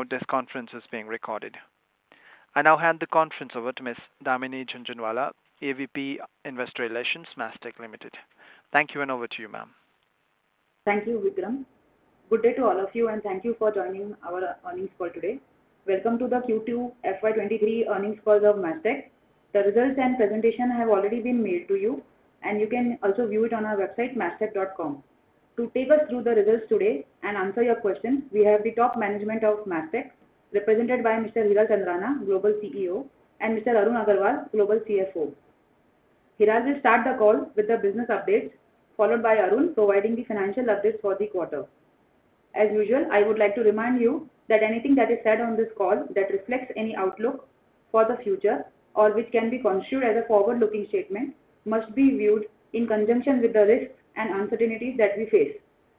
Note this conference is being recorded. I now hand the conference over to Ms. Damini Jhunjhunwala, AVP, Investor Relations, Mastek Limited. Thank you and over to you, ma'am. Thank you, Vikram. Good day to all of you, and thank you for joining our earnings call today. Welcome to the Q2 FY23 earnings call of Mastek. The results and presentation have already been mailed to you, and you can also view it on our website, mastek.com. To take us through the results today and answer your questions, we have the top management of Mastek, represented by Mr. Hiral Chandrana, Global CEO, and Mr. Arun Agarwal, Global CFO. Hiral will start the call with the business update, followed by Arun providing the financial updates for the quarter. As usual, I would like to remind you that anything that is said on this call that reflects any outlook for the future or which can be construed as a forward-looking statement must be viewed in conjunction with the risks and uncertainties that we face.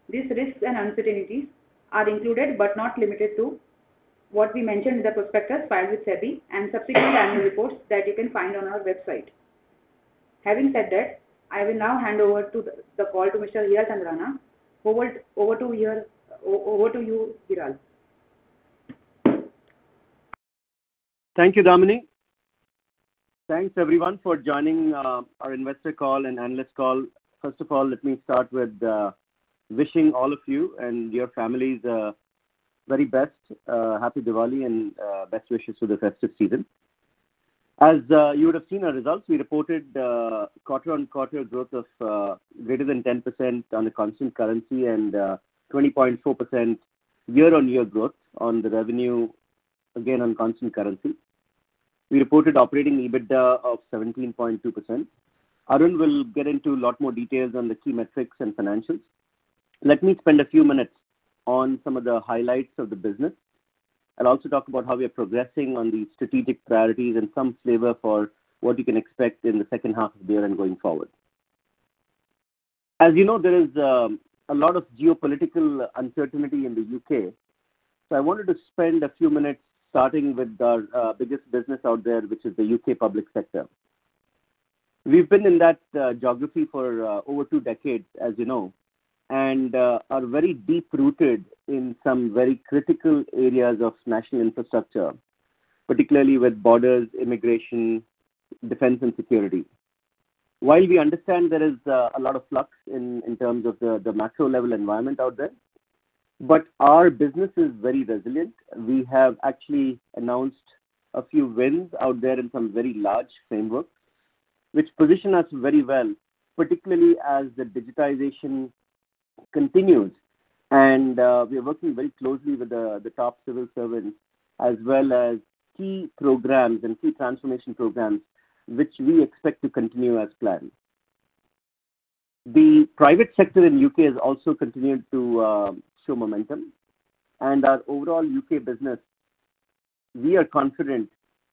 These risks and uncertainties are included, but not limited to, what we mentioned in the prospectus filed with SEBI and subsequent annual reports that you can find on our website. Having said that, I will now hand over the call to Mr. Hiral Chandrana. Over to you, Hiral. Thank you, Damini. Thanks everyone for joining our investor call and analyst call. First of all, let me start with wishing all of you, and your families very best, Happy Diwali and best wishes for the festive season. As you would have seen our results, we reported quarter-on-quarter growth of greater than 10% on a constant currency and 20.4% year-on-year growth on the revenue, again on constant currency. We reported operating EBITDA of 17.2%. Arun will get into a lot more details on the key metrics and financials. Let me spend a few minutes on some of the highlights of the business and also talk about how we are progressing on the strategic priorities, and some flavor for what you can expect in the H2 of the year and going forward. As you know, there is a lot of geopolitical uncertainty in the U.K., so I wanted to spend a few minutes starting with our biggest business out there, which is the U.K. public sector. We've been in that geography for over two decades, as you know, and are very deep-rooted in some very critical areas of national infrastructure, particularly with borders, immigration, defense, and security. While we understand there is a lot of flux in terms of the macro level environment out there, but our business is very resilient. We have actually announced a few wins out there in some very large frameworks which position us very well, particularly as the digitization continues. We are working very closely with the top civil servants as well as key programs, and key transformation programs which we expect to continue as planned. The private sector in U.K. has also continued to show momentum and our overall U.K. business, we are confident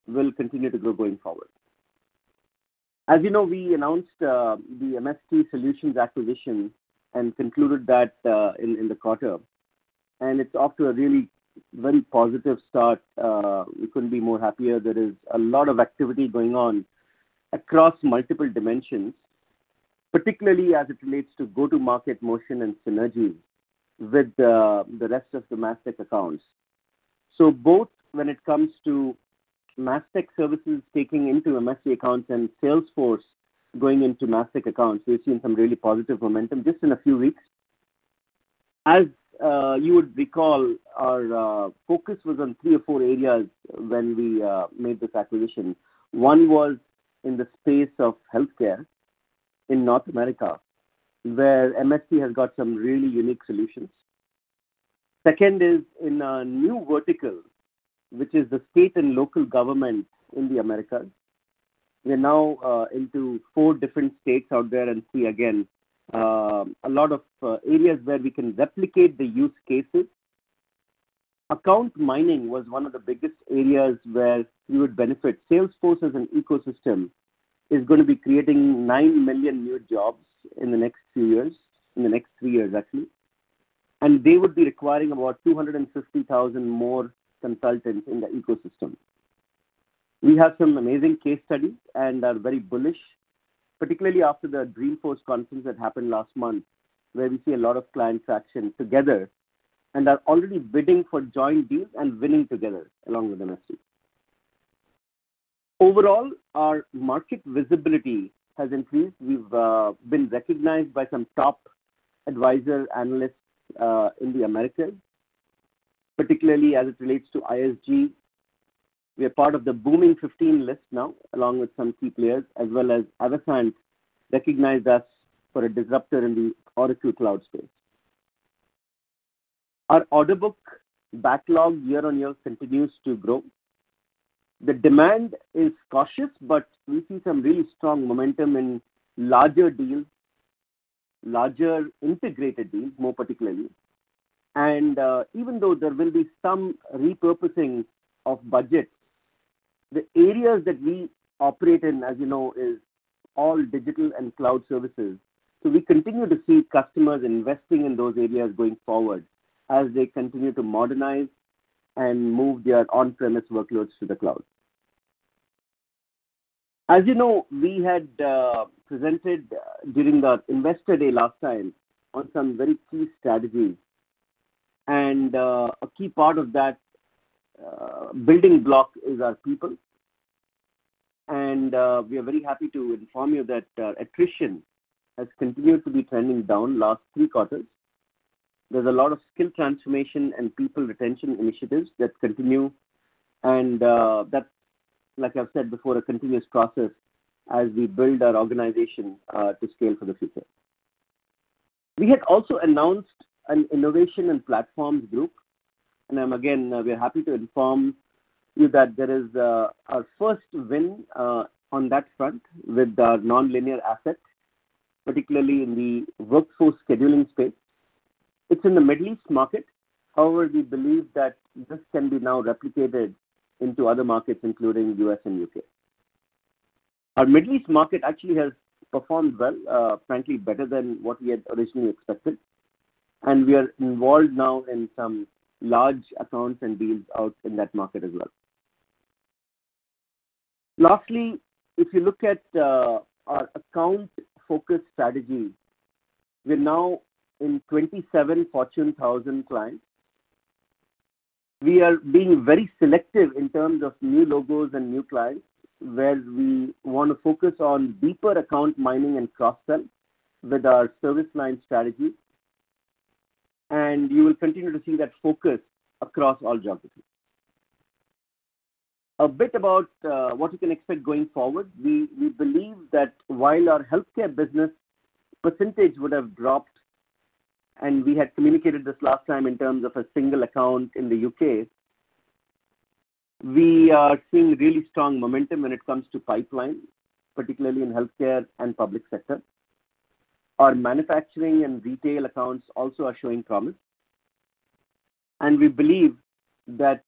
will continue to grow going forward. As you know, we announced the MST Solutions acquisition and concluded that in the quarter, and it's off to a really very positive start. We couldn't be more happier. There is a lot of activity going on across multiple dimensions, particularly as it relates to go-to-market motion and synergy with the rest of the Mastek accounts. Both when it comes to Mastek services taking into MST accounts and Salesforce going into Mastek accounts, we've seen some really positive momentum just in a few weeks. As you would recall, our focus was on three or four areas when we made this acquisition. One was in the space of healthcare in North America, where MST has got some really unique solutions. Second is in a new vertical, which is the state and local government in the Americas. We are now into four different states out there and see again a lot of areas where we can replicate the use cases. Account mining was one of the biggest areas where we would benefit. Salesforce as an ecosystem is gonna be creating 9 million new jobs in the next few years. In the next three years, actually. They would be requiring about 250,000 more consultants in the ecosystem. We have some amazing case studies and are very bullish, particularly after the Dreamforce conference that happened last month, where we see a lot of clients acting together and are already bidding for joint deals and winning together along with MST. Overall, our market visibility has increased. We've been recognized by some top advisory analysts in the Americas, particularly as it relates to ISG. We are part of the Booming 15 list now, along with some key players, as well as, other clients recognize us as a disruptor in the Oracle Cloud space. Our order book backlog year on year continues to grow. The demand is cautious, but we see some really strong momentum in larger deals, larger integrated deals, more particularly. Even though there will be some repurposing of budgets, the areas that we operate in, as you know, is all digital and cloud services. We continue to see customers investing in those areas going forward as they continue to modernize and move their on-premise workloads to the cloud. As you know, we had presented during our Investor Day last time on some very key strategies. A key part of that building block is our people. We are very happy to inform you that attrition has continued to be trending down last three quarters. There's a lot of skill transformation, and people retention initiatives that continue and that's, like I've said before, a continuous process as we build our organization to scale for the future. We had also announced an innovation and platforms group. We are happy to inform you that there is our first win on that front with the nonlinear assets, particularly in the workforce scheduling space. It's in the Middle East market. However, we believe that this can be now replicated into other markets, including U.S. and U.K. Our Middle East market actually has performed well, frankly, better than what we had originally expected. We are involved now in some large accounts and deals out in that market as well. Lastly, if you look at our account-focused strategy, we're now in 27 Fortune 1000 clients. We are being very selective in terms of new logos and new clients, where we want to focus on deeper account mining, and cross-sell with our service line strategy. You will continue to see that focus across all geographies. A bit about what you can expect going forward. We believe that while our healthcare business percentage would have dropped, and we had communicated this last time in terms of a single account in the U.K., we are seeing really strong momentum when it comes to pipeline, particularly in healthcare and public sector. Our manufacturing and retail accounts also are showing promise. We believe that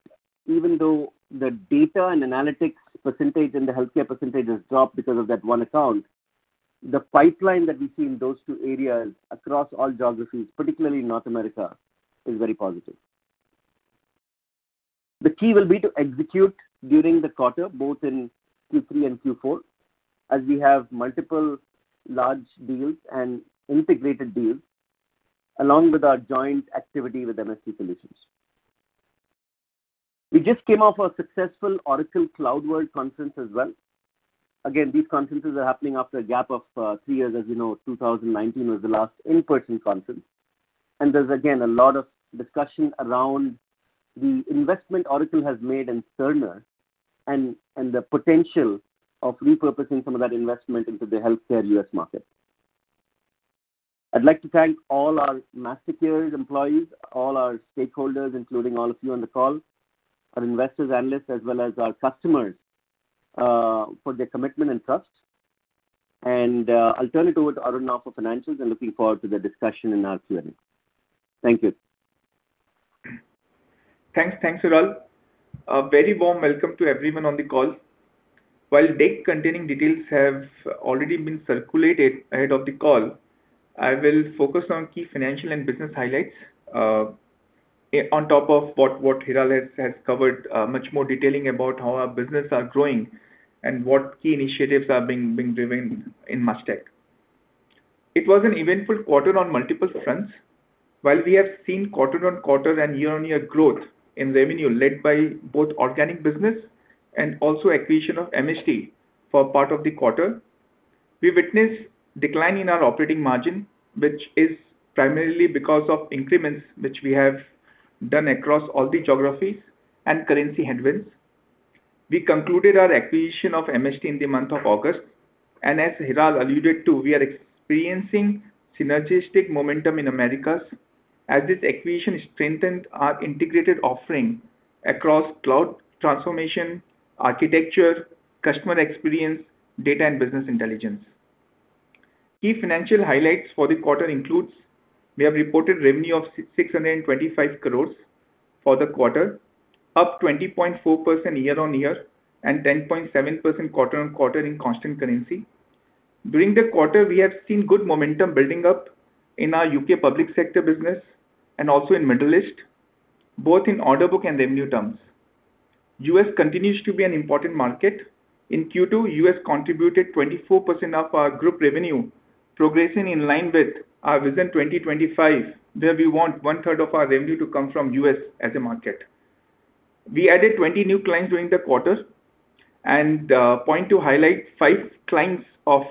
even though the data, and analytics percentage and the healthcare percentage has dropped because of that one account, the pipeline that we see in those two areas across all geographies, particularly North America, is very positive. The key will be to execute during the quarter, both in Q3 and Q4, as we have multiple large deals and integrated deals, along with our joint activity with MST Solutions. We just came off a successful Oracle CloudWorld conference as well. Again, these conferences are happening after a gap of three years. As you know, 2019 was the last in-person conference. There's again a lot of discussion around the investment Oracle has made in Cerner and the potential of repurposing some of that investment into the healthcare US market. I'd like to thank all our Mastek employees, all our stakeholders, including all of you on the call, our investors, analysts, as well as our customers, for their commitment and trust. I'll turn it over to Arun now for financials and looking forward to the discussion and our Q&A. Thank you. Thanks. Thanks, Hiral. A very warm welcome to everyone on the call. While deck containing details have already been circulated ahead of the call, I will focus on key financial and business highlights, on top of what Hiral has covered, much more detailing about how our business are growing and what key initiatives are being driven in Mastek. It was an eventful quarter on multiple fronts. While we have seen quarter-on-quarter and year-on-year growth in revenue led by both organic business, and also acquisition of MST for part of the quarter. We witnessed decline in our operating margin, which is primarily because of increments which we have done across all the geographies and currency headwinds. We concluded our acquisition of MST in the month of August, and as Hiral alluded to, we are experiencing synergistic momentum in Americas as this acquisition strengthened our integrated offering across cloud transformation, architecture, customer experience, data and business intelligence. Key financial highlights for the quarter include. We have reported revenue of 625 crores for the quarter, up 20.4% year-on-year and 10.7% quarter-on-quarter in constant currency. During the quarter, we have seen good momentum building up in our U.K. public sector business and also in Middle East, both in order book and revenue terms. U.S. continues to be an important market. In Q2, U.S. contributed 24% of our group revenue, progressing in line with our Vision 2025, where we want one-third of our revenue to come from U.S. as a market. We added 20 new clients during the quarter. Point to highlight, five clients of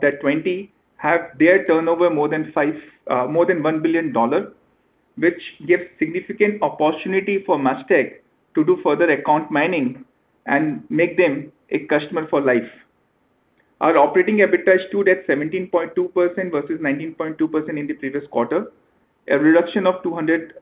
that 20 have their turnover more than $1 billion, which gives significant opportunity for Mastek to do further account mining, and make them a customer for life. Our operating EBITDA stood at 17.2% versus 19.2% in the previous quarter, a reduction of 200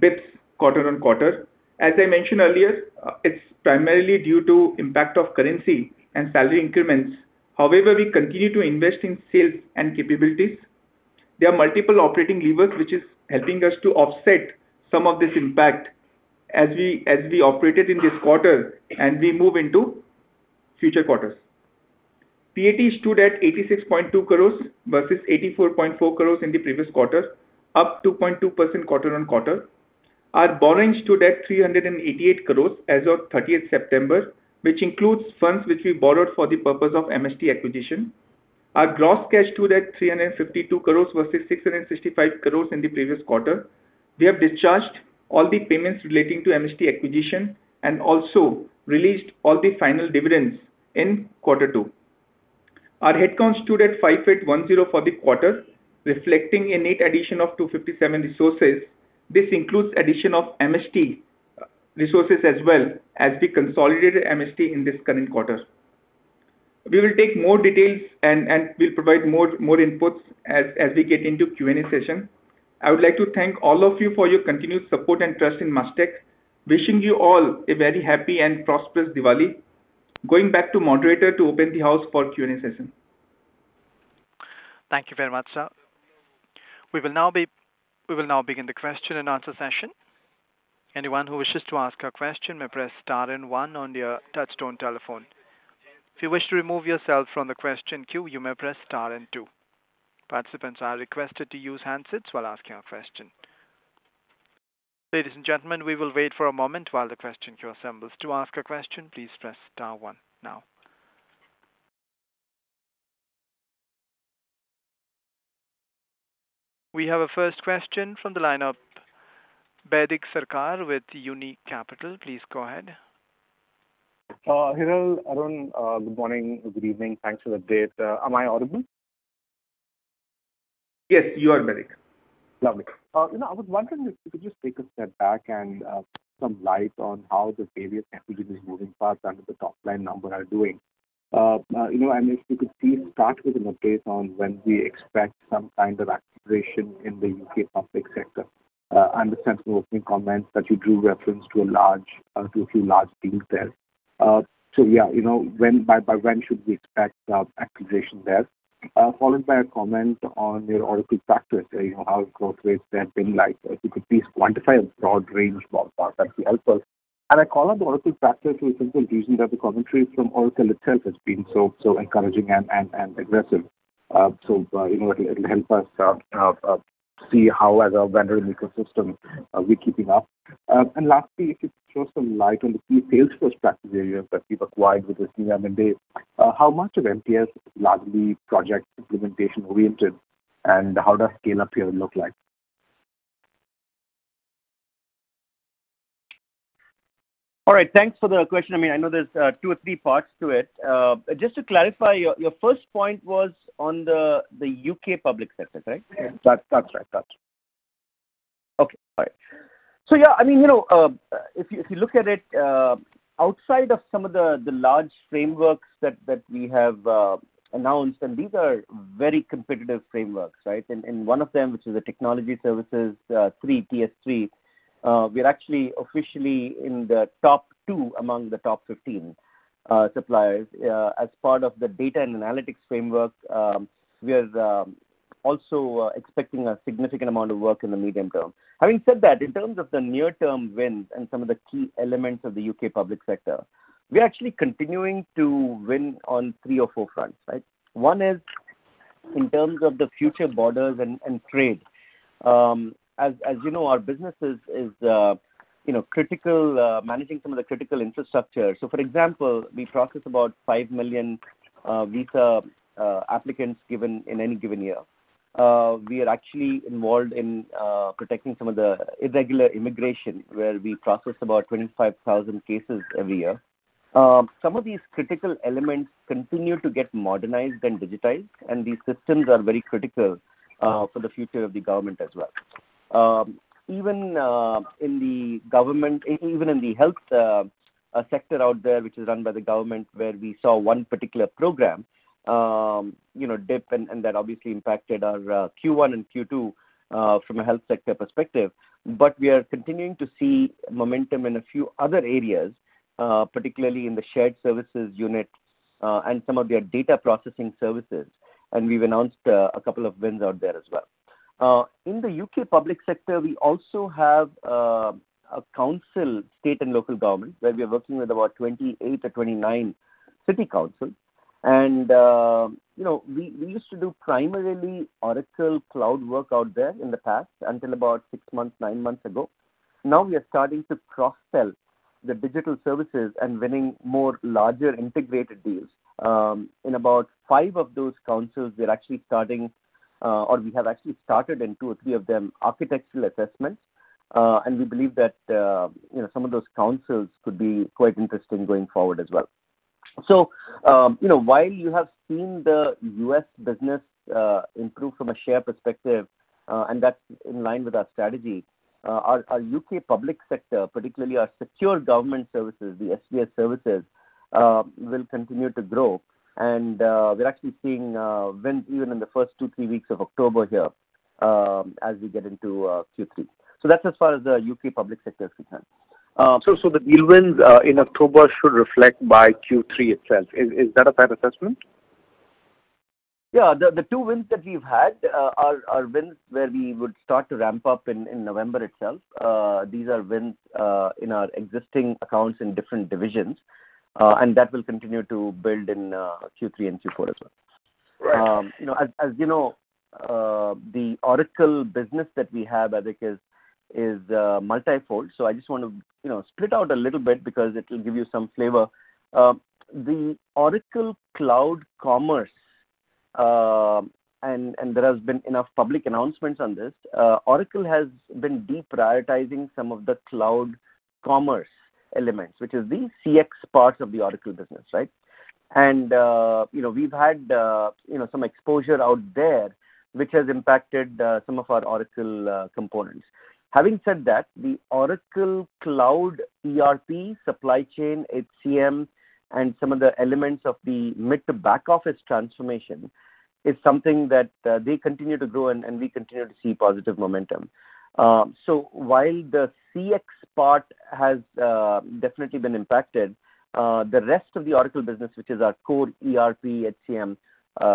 basis points quarter-on-quarter. As I mentioned earlier, it's primarily due to impact of currency and salary increments. However, we continue to invest in sales and capabilities. There are multiple operating levers which is helping us to offset some of this impact as we operated in this quarter and we move into future quarters. PAT stood at 86.2 crores versus 84.4 crores in the previous quarter, up 2.2% quarter-on-quarter. Our borrowings stood at 388 crore as of 30th September, which includes funds which we borrowed for the purpose of MST acquisition. Our gross cash stood at 352 crore versus 665 crore in the previous quarter. We have discharged all the payments relating to MST acquisition and also released all the final dividends in Q2. Our headcount stood at 510 for the quarter, reflecting a net addition of 257 resources. This includes addition of MST resources as well as the consolidated MST in this current quarter. We will take more details and we'll provide more inputs as we get into Q&A session. I would like to thank all of you for your continued support and trust in Mastek. Wishing you all a very happy and prosperous Diwali. Going back to moderator to open the house for Q&A session. Thank you very much, sir. We will now begin the question and answer session. Anyone who wishes to ask a question may press star and one on their touchtone telephone. If you wish to remove yourself from the question queue, you may press star and two. Participants are requested to use handsets while asking a question. Ladies and gentlemen, we will wait for a moment while the question queue assembles. To ask a question, please press star one now. We have a first question from the line of Baidik Sarkar with Unifi Capital. Please go ahead. Hiral, Arun, good morning. Good evening. Thanks for the update. Am I audible? Yes, you are, Baidik. Lovely. You know, I was wondering if you could just take a step back and shed some light on how the various businesses moving fast under the top-line number are doing. You know, if you could please start with an update on when we expect some kind of acceleration in the U.K. public sector. I understand from opening comments that you drew reference to a large, to a few large deals there. So yeah, you know, by when should we expect acceleration there? Followed by a comment on your Oracle practice, you know, how growth rates have been like. If you could please quantify a broad range for us, that would help us. I call on the Oracle practice for a simple reason that the commentary from Oracle itself has been so encouraging and aggressive. You know, it'll help us see how as a vendor ecosystem are we keeping up. Lastly, if you could shed some light on the key Salesforce practice areas that you've acquired with this M&A. How much of MST is largely project implementation-oriented, and how does scale up here look like? All right. Thanks for the question. I mean, I know there's two or three parts to it. Just to clarify, your first point was on the U.K. public sector, right? Yeah. That's right. That's right. Okay. All right. Yeah, I mean, you know, if you look at it outside of some of the large frameworks that we have announced, and these are very competitive frameworks, right? One of them, which is Technology Services 3, TS3, we're actually officially in the top two among the top 15 suppliers. As part of the data and analytics framework, we are also expecting a significant amount of work in the medium term. Having said that, in terms of the near-term wins and some of the key elements of the UK public sector, we are actually continuing to win on three or four fronts, right? One is in terms of the future borders and trade. As you know, our business is you know, critical managing some of the critical infrastructure. For example, we process about five million visa applicants in any given year. We are actually involved in protecting some of the irregular immigration, where we process about 25,000 cases every year. Some of these critical elements continue to get modernized and digitized, and these systems are very critical for the future of the government as well. Even in the health sector out there, which is run by the government, where we saw one particular program you know, dip and that obviously impacted our Q1 and Q2 from a health sector perspective. We are continuing to see momentum in a few other areas, particularly in the shared services unit, and some of their data processing services, and we've announced a couple of wins out there as well. In the U.K. public sector, we also have councils, state, and local government where we are working with about 28 or 29 city councils. You know, we used to do primarily Oracle Cloud work out there in the past until about six months, nine months ago. Now we are starting to cross-sell the digital services and winning more larger integrated deals. In about five of those councils, we're actually starting, or we have actually started in two or three of them, architectural assessments. We believe that, you know, some of those councils could be quite interesting going forward as well. you know, while you have seen the U.S. business improve from a share perspective, and that's in line with our strategy, our U.K. public sector, particularly our secure government services, the SGS services, will continue to grow. We're actually seeing wins even in the first two, three weeks of October here, as we get into Q3. That's as far as the U.K. public sector is concerned. The deal wins in October should reflect by Q3 itself. Is that a fair assessment? The two wins that we've had are wins where we would start to ramp up in November itself. These are wins in our existing accounts in different divisions, and that will continue to build in Q3 and Q4 as well. You know, as you know, the Oracle business that we have, I think is multi-fold. So I just wanna, you know, split out a little bit because it'll give you some flavor. The Oracle Cloud commerce, and there has been enough public announcements on this. Oracle has been deprioritizing some of the cloud commerce elements, which is the CX parts of the Oracle business, right? You know, we've had you know some exposure out there which has impacted some of our Oracle components. Having said that, the Oracle Cloud ERP supply chain, HCM, and some of the elements of the mid to back office transformation is something that they continue to grow, and we continue to see positive momentum. So while the CX part has definitely been impacted, the rest of the Oracle business, which is our core ERP HCM,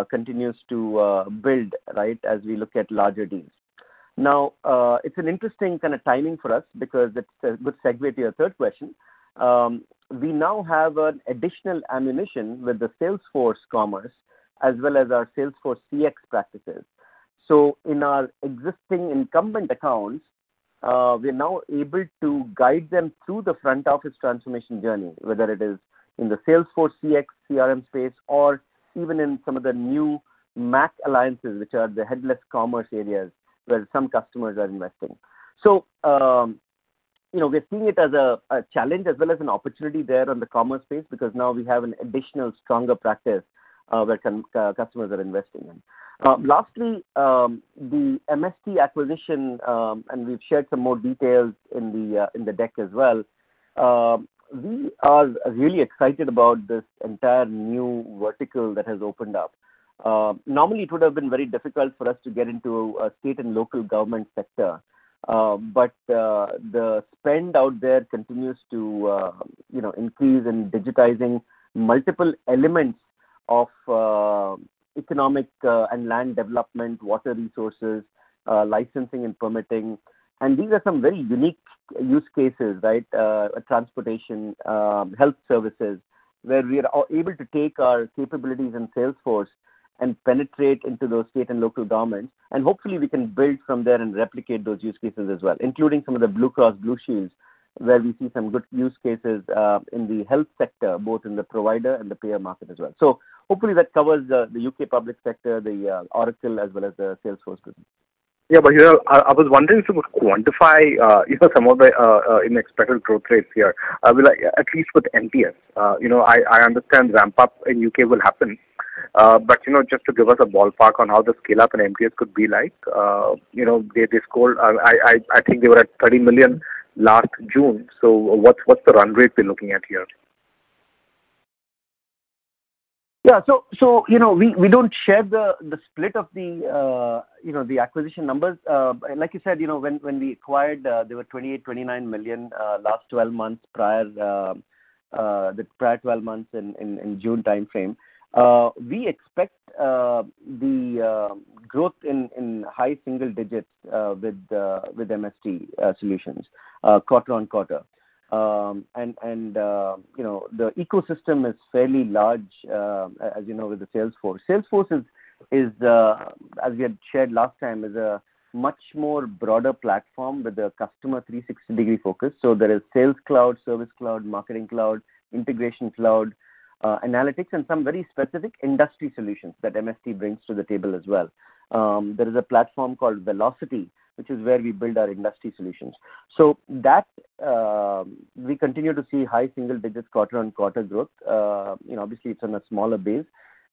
continues to build, right, as we look at larger deals. Now it's an interesting kind of timing for us because it's a good segue to your third question. We now have an additional ammunition with the Salesforce commerce as well as our Salesforce CX practices. In our existing incumbent accounts, we're now able to guide them through the front office transformation journey, whether it is in the Salesforce CX, CRM space or even in some of the new MACH alliances, which are the headless commerce areas where some customers are investing. You know, we're seeing it as a challenge as well as an opportunity there on the commerce space because now we have an additional stronger practice, where customers are investing in. Lastly, the MST acquisition, and we've shared some more details in the deck as well. We are really excited about this entire new vertical that has opened up. Normally it would've been very difficult for us to get into a state and local government sector. The spend out there continues to, you know, increase in digitizing multiple elements of economic, and land development, water resources, licensing and permitting. These are some very unique use cases, right? Transportation, health services, where we are able to take our capabilities in Salesforce and penetrate into those state and local governments. Hopefully we can build from there and replicate those use cases as well, including some of the Blue Cross Blue Shield where we see some good use cases in the health sector, both in the provider and the payer market as well. Hopefully that covers the U.K. public sector, the Oracle as well as the Salesforce business. Yeah. Hiral, I was wondering if you could quantify, you know, some of the unexpected growth rates here. Well, at least with MPS. You know, I understand ramp up in UK will happen. You know, just to give us a ballpark on how the scale up in MPS could be like, you know, they scored. I think they were at 30 million last June. So what's the run rate we're looking at here? Yeah. You know, we don't share the split of the acquisition numbers. Like you said, you know, when we acquired, they were 28-29 million last twelve months prior, the prior twelve months in June timeframe. We expect the growth in high single digits% with MST Solutions quarter-on-quarter. You know, the ecosystem is fairly large, as you know, with Salesforce. Salesforce is, as we had shared last time, a much broader platform with a customer 360-degree focus. There is Sales Cloud, Service Cloud, Marketing Cloud, Integration Cloud, analytics, and some very specific industry solutions that MST brings to the table as well. There is a platform called Velocity, which is where we build our industry solutions. That we continue to see high single-digit% quarter-on-quarter growth. You know, obviously it's on a smaller base.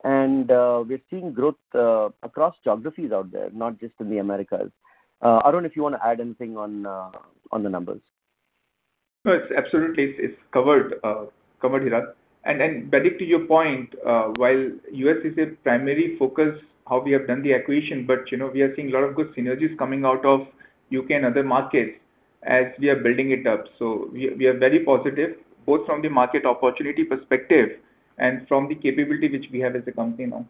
We're seeing growth across geographies out there, not just in the Americas. Arun, if you wanna add anything on the numbers. No. Absolutely, it's covered, Hiral. Baidik, to your point, while US is a primary focus, how we have done the acquisition, but you know, we are seeing a lot of good synergies coming out of UK and other markets as we are building it up. We are very positive both from the market opportunity perspective and from the capability which we have as a company now.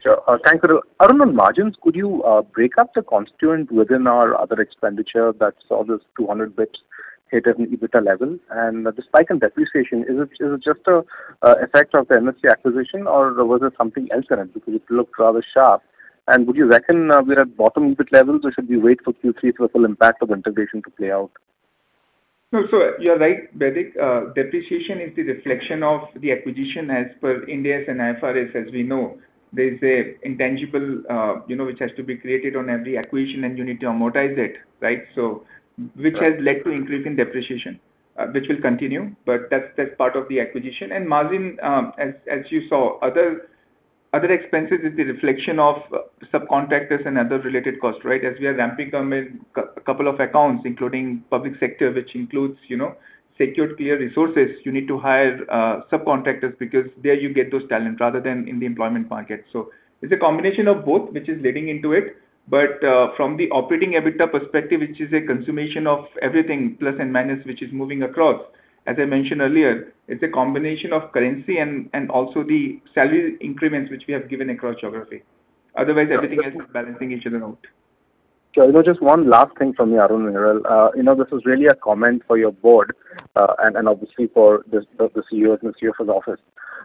Sure. Thank you. Arun, on margins, could you break up the constituent within our other expenditure that saw this 200 basis points hit at an EBITDA level? The spike in depreciation, is it just an effect of the MST acquisition or was there something else in it? Because it looked rather sharp. Would you reckon we're at bottom EBIT levels or should we wait for Q3 for the full impact of integration to play out? No. You're right, Baidik. Depreciation is the reflection of the acquisition as per Ind AS and IFRS as we know. There's an intangible which has to be created on every acquisition, and you need to amortize it, right? Right. Which has led to increase in depreciation, which will continue, but that's part of the acquisition. Margin, as you saw, other expenses is the reflection of subcontractors and other related costs, right? As we are ramping up with couple of accounts, including public sector, which includes security clearance resources. You need to hire subcontractors because there you get that talent rather than in the employment market. It's a combination of both which is leading into it. From the operating EBITDA perspective, which is a consolidation of everything, plus and minus, which is moving across, as I mentioned earlier, it's a combination of currency and also the salary increments which we have given across geography. Otherwise, everything else is balancing each other out. You know, just one last thing from me, Arun and Hiral. You know, this is really a comment for your board, and obviously for the CEO and the CFO's office.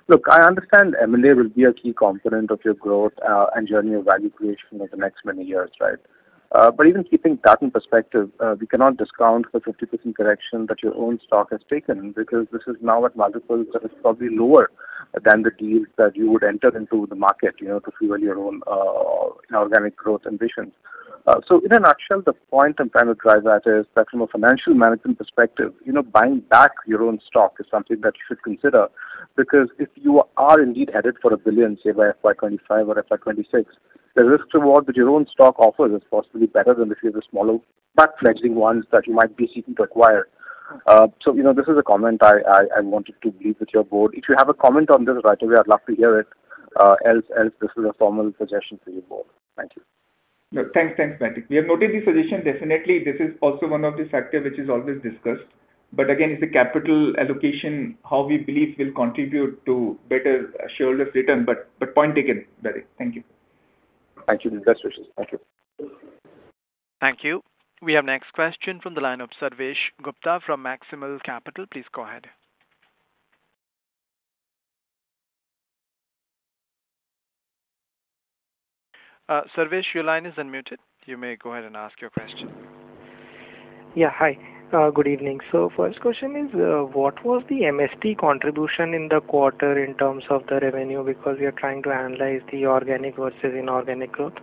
Look, I understand M&A will be a key component of your growth and journey of value creation over the next many years, right? But even keeping that in perspective, we cannot discount the 50% correction that your own stock has taken because this is now at multiples that is probably lower than the deals that you would enter into the market, you know, to fuel your own organic growth ambitions. In a nutshell, the point I'm trying to drive at is that from a financial management perspective, you know, buying back your own stock is something that you should consider because if you are indeed headed for $1 billion, say, by FY25 or FY26, the risk toward what your own stock offers is possibly better than if you have a smaller but fledgling ones that you might be seeking to acquire. You know, this is a comment I wanted to leave with your board. If you have a comment on this right away, I'd love to hear it. Else, this is a formal suggestion for your board. Thank you. No, thanks. Thanks, Baidik. We have noted the suggestion. Definitely this is also one of the factor which is always discussed. Again, it's a capital allocation, how we believe will contribute to better shareholders return. Point taken, Baidik. Thank you. Thank you. Best wishes. Thank you. Thank you. We have next question from the line of Sarvesh Gupta from Maximal Capital. Please go ahead. Sarvesh, your line is unmuted. You may go ahead and ask your question. Yeah. Hi. Good evening. First question is, what was the MST contribution in the quarter in terms of the revenue? Because we are trying to analyze the organic versus inorganic growth.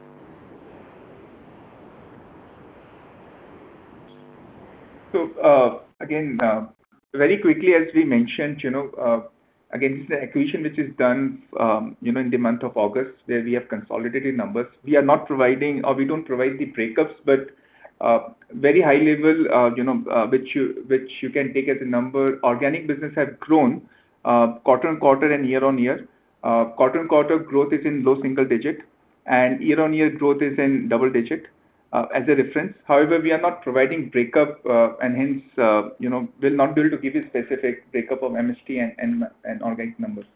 Again, very quickly, as we mentioned, you know, again, this is an acquisition which is done, you know, in the month of August, where we have consolidated numbers. We are not providing or we don't provide the breakups, but, very high level, you know, which you can take as a number. Organic business have grown, quarter-on-quarter and year-on-year. Quarter-on-quarter growth is in low single-digit, and year-on-year growth is in double-digit, as a reference. However, we are not providing breakup, and hence, you know, we'll not be able to give you specific breakup of MST and organic numbers.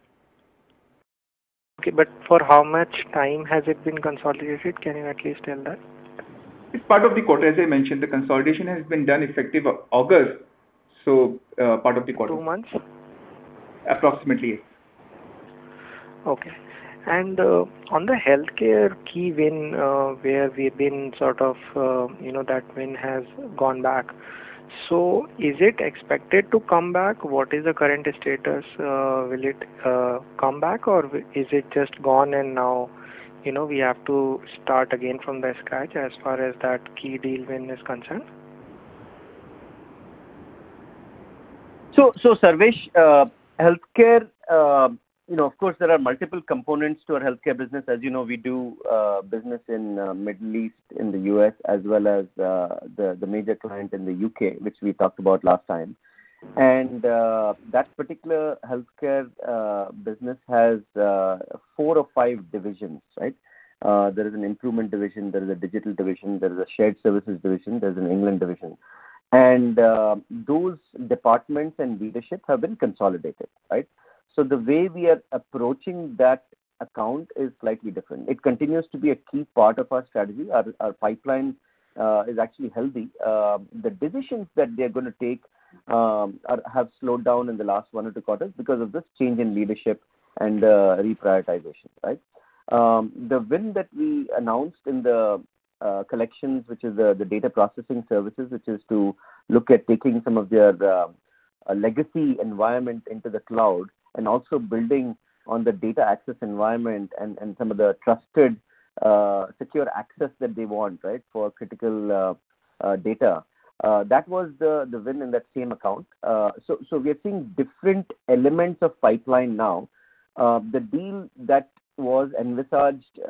Okay. For how much time has it been consolidated? Can you at least tell that? It's part of the quarter. As I mentioned, the consolidation has been done effective August, so, part of the quarter. Two months? Approximately. On the healthcare key win, where we've been sort of, you know, that win has gone back. Is it expected to come back? What is the current status? Will it come back or is it just gone and now, you know, we have to start again from the scratch as far as that key deal win is concerned? Sarvesh, healthcare, you know, of course, there are multiple components to our healthcare business. As you know, we do business in Middle East, in the U.S. as well as the major client in the U.K., which we talked about last time. That particular healthcare business has four or five divisions, right? There is an improvement division, there is a digital division, there is a shared services division, there's an England division. Those departments and leaderships have been consolidated, right? The way we are approaching that account is slightly different. It continues to be a key part of our strategy. Our pipeline is actually healthy. The decisions that they're gonna take have slowed down in the last one or Q2, because of this change in leadership and reprioritization, right? The win that we announced in the collections, which is the data processing services, which is to look at taking some of their legacy environment into the cloud and also building on the data access environment, and some of the trusted secure access that they want, right, for critical data. That was the win in that same account. We are seeing different elements of pipeline now. The deal that was envisaged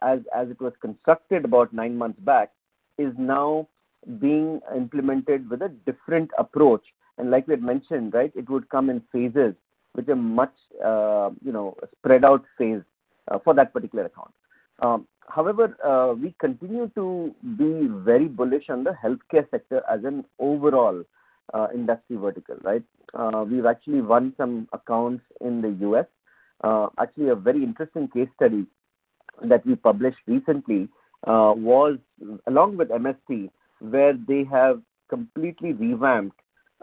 as it was constructed about nine months back is now being implemented with a different approach. Like we had mentioned, right, it would come in phases with a much, spread out phase, for that particular account. However, we continue to be very bullish on the healthcare sector as an overall, industry vertical, right? We've actually won some accounts in the U.S. Actually, a very interesting case study that we published recently, was along with MST, where they have completely revamped,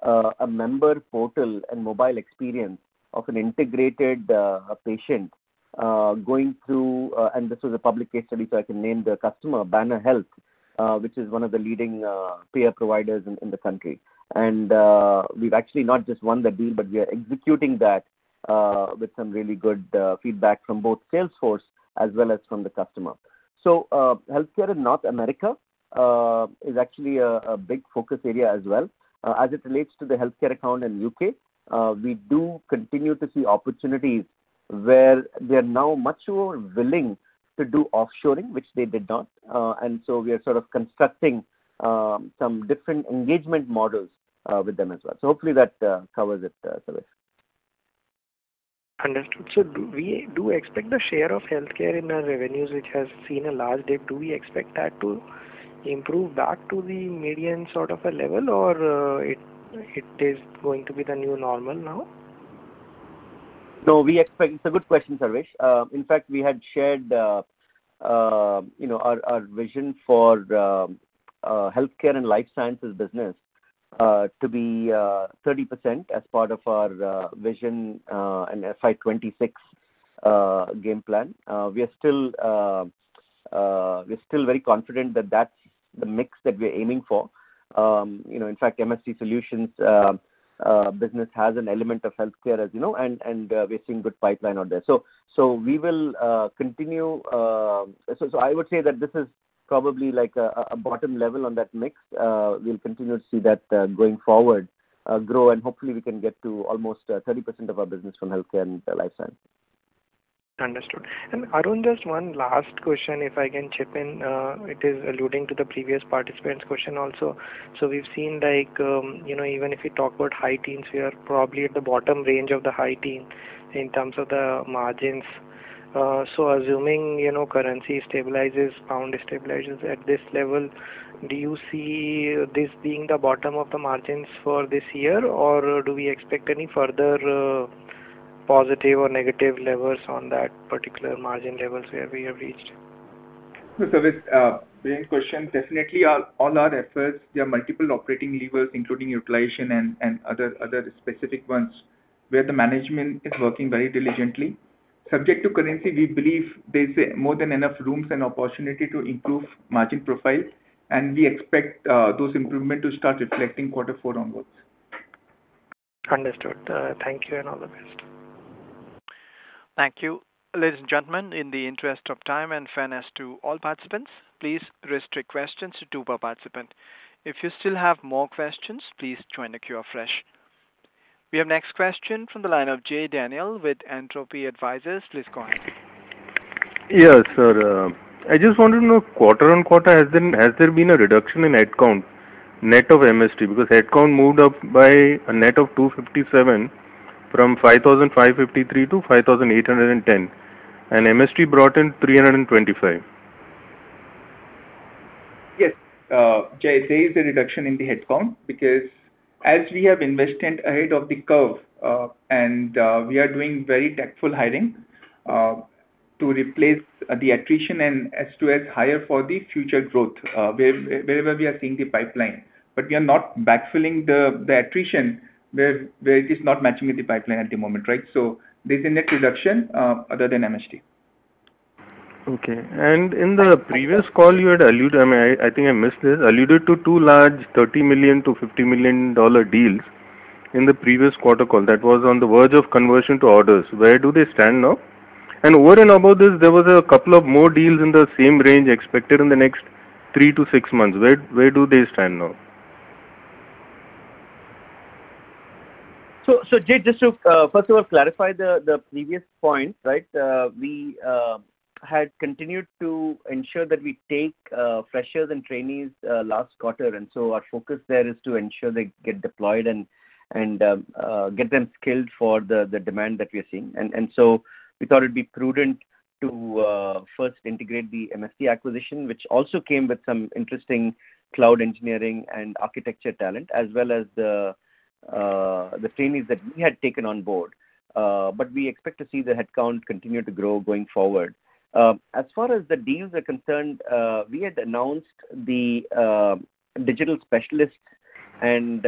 a member portal, and mobile experience of an integrated, patient, going through. This was a public case study, so I can name the customer, Banner Health, which is one of the leading, peer providers in the country. We've actually not just won the deal, but we are executing that, with some really good, feedback from both Salesforce as well as from the customer. Healthcare in North America is actually a big focus area as well. As it relates to the healthcare account in U.K., we do continue to see opportunities where they are now much more willing to do offshoring, which they did not. We are sort of constructing some different engagement models with them as well. Hopefully that covers it, Sarvesh. Understood. Do we expect the share of healthcare in our revenues, which has seen a large dip, do we expect that to improve back to the median sort of a level? Or, it is going to be the new normal now? It's a good question, Sarvesh. In fact, we had shared, you know, our vision for healthcare, and life sciences business to be 30% as part of our vision in FY26 game plan. We are still very confident that that's the mix that we're aiming for. You know, in fact, MST Solutions business has an element of healthcare, as you know, and we're seeing good pipeline out there. I would say that this is probably like a bottom level on that mix. We'll continue to see that going forward grow, and hopefully we can get to almost 30% of our business from healthcare and life science. Understood. Arun, just one last question, if I can chip in. It is alluding to the previous participant's question also. We've seen like, you know, even if you talk about high teens, we are probably at the bottom range of the high teen in terms of the margins. Assuming, you know, currency stabilizes, pound stabilizes at this level, do you see this being the bottom of the margins for this year, or do we expect any further, positive or negative levels on that particular margin levels where we have reached? No, Sarvesh. Great question. Definitely all our efforts, there are multiple operating levers, including utilization and other specific ones where the management is working very diligently. Subject to currency, we believe there's more than enough room and opportunity to improve margin profile, and we expect those improvements to start reflecting quarter four onwards. Understood. Thank you and all the best. Thank you. Ladies and gentlemen, in the interest of time and fairness to all participants, please restrict questions to two per participant. If you still have more questions, please join the queue afresh. We have next question from the line of Jay Daniel with Entropy Advisors. Please go ahead. Yeah, sir. I just wanted to know quarter-on-quarter, has there been a reduction in headcount net of MST? Because headcount moved up by a net of 257 from 5,553 to 5,810, and MST brought in 325. Yes, Jay. There is a reduction in the headcount because as we have invested ahead of the curve, and we are doing very tactical hiring to replace the attrition and S2S hire for the future growth, wherever we are seeing the pipeline. We are not backfilling the attrition where it is not matching with the pipeline at the moment, right? There's a net reduction other than MST. Okay. In the previous call you had, I mean, I think I missed this, alluded to two large $30 million-$50 million deals in the previous quarter call that was on the verge of conversion to orders. Where do they stand now? Over and above this, there was a couple of more deals in the same range expected in the next three to six months. Where do they stand now? Jay, just to first of all clarify the previous point, right? We had continued to ensure that we take freshers and trainees last quarter, and our focus there is to ensure they get deployed, and get them skilled for the demand that we are seeing. We thought it'd be prudent to first integrate the MST acquisition, which also came with some interesting cloud engineering and architecture talent as well as the trainees that we had taken on board. We expect to see the headcount continue to grow going forward. As far as the deals are concerned, we had announced the digital specialists and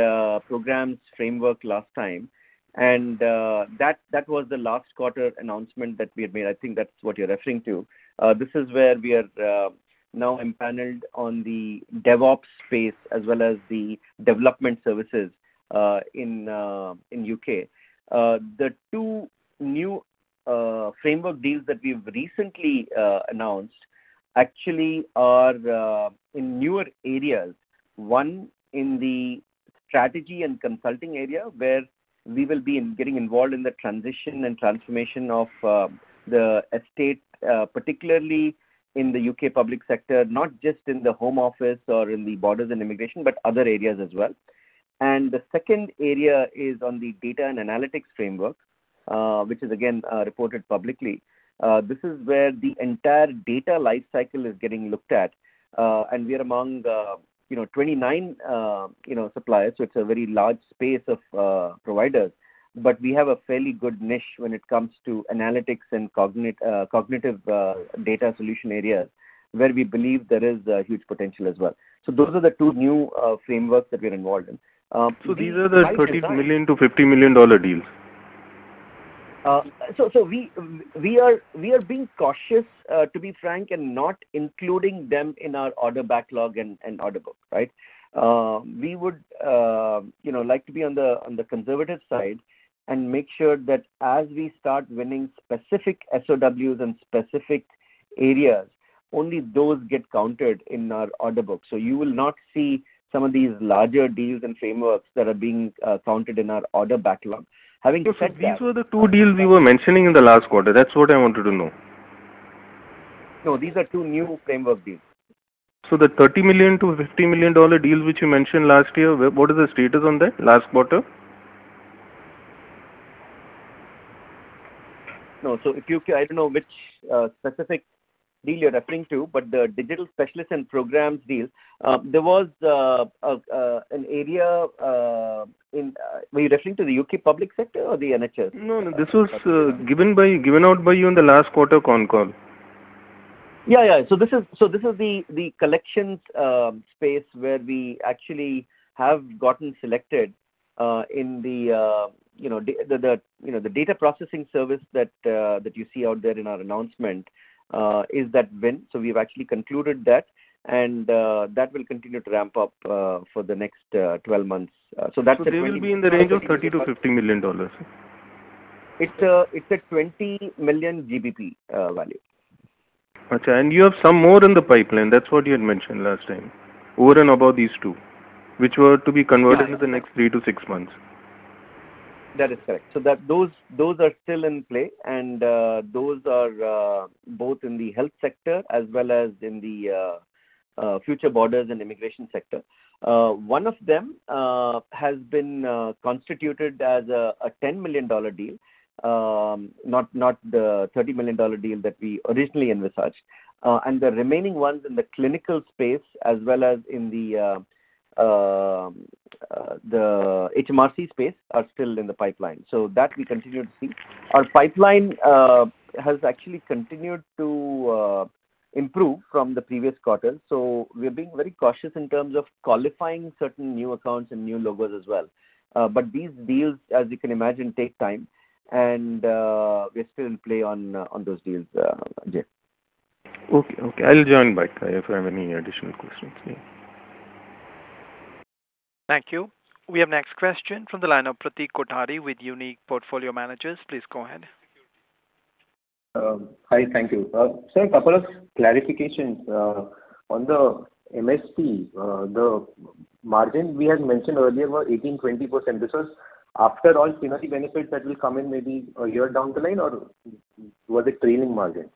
programs framework last time. That was the last quarter announcement that we had made. I think that's what you're referring to. This is where we are now empaneled on the DevOps space as well as the development services in the U.K. The two new framework deals that we've recently announced actually are in newer areas. One in the strategy and consulting area where we will be getting involved in the transition and transformation of the estate particularly in the U.K. public sector, not just in the Home Office or in the borders and immigration, but other areas as well. The second area is on the data and analytics framework which is again reported publicly. This is where the entire data life cycle is getting looked at. We are among the, you know, 29, you know, suppliers. It's a very large space of providers. We have a fairly good niche when it comes to analytics and cognitive data solution areas where we believe there is huge potential as well. Those are the two new frameworks that we're involved in. These are the $30 million-$50 million deals? We are being cautious, to be frank, and not including them in our order backlog and order book, right? We would, you know, like to be on the conservative side and make sure that as we start winning specific SOWs in specific areas, only those get counted in our order book. You will not see some of these larger deals and frameworks that are being counted in our order backlog. Having said that. These were the two deals we were mentioning in the last quarter. That's what I wanted to know. No, these are two new framework deals. The $30 million-$50 million deals which you mentioned last year, what is the status on that last quarter? No. I don't know which specific deal you're referring to, but the digital specialists and programs deals. Were you referring to the U.K. public sector or the NHS? No, no. This was given out by you in the last quarter con call. Yeah, yeah. This is the collections space where we actually have gotten selected in the, you know, the data processing service that you see out there in our announcement is that win. We've actually concluded that, and that will continue to ramp up for the next 12 months. They will be in the range of $30 million-$50 million? It's a GBP 20 million value. Okay. You have some more in the pipeline. That's what you had mentioned last time, over and above these two, which were to be converted in the next three to six months. That is correct. Those are still in play, and those are both in the health sector as well as in the future borders and immigration sector. One of them has been constituted as a $10 million deal, not the $30 million deal that we originally envisaged. The remaining ones in the clinical space as well as in the HMRC space are still in the pipeline. That we continue to see. Our pipeline has actually continued to improve from the previous quarter, so we're being very cautious in terms of qualifying certain new accounts and new logos as well. These deals, as you can imagine, take time and we're still in play on those deals, Jay Daniel. Okay. I'll join back if I have any additional questions. Yeah. Thank you. We have next question from the line of Pratik Kothari with Unique Asset Management. Please go ahead. Hi. Thank you. Sir, a couple of clarifications on the MSP. The margin we had mentioned earlier was 18%-20%. This was after all synergy benefits that will come in maybe a year down the line or was it trailing margin?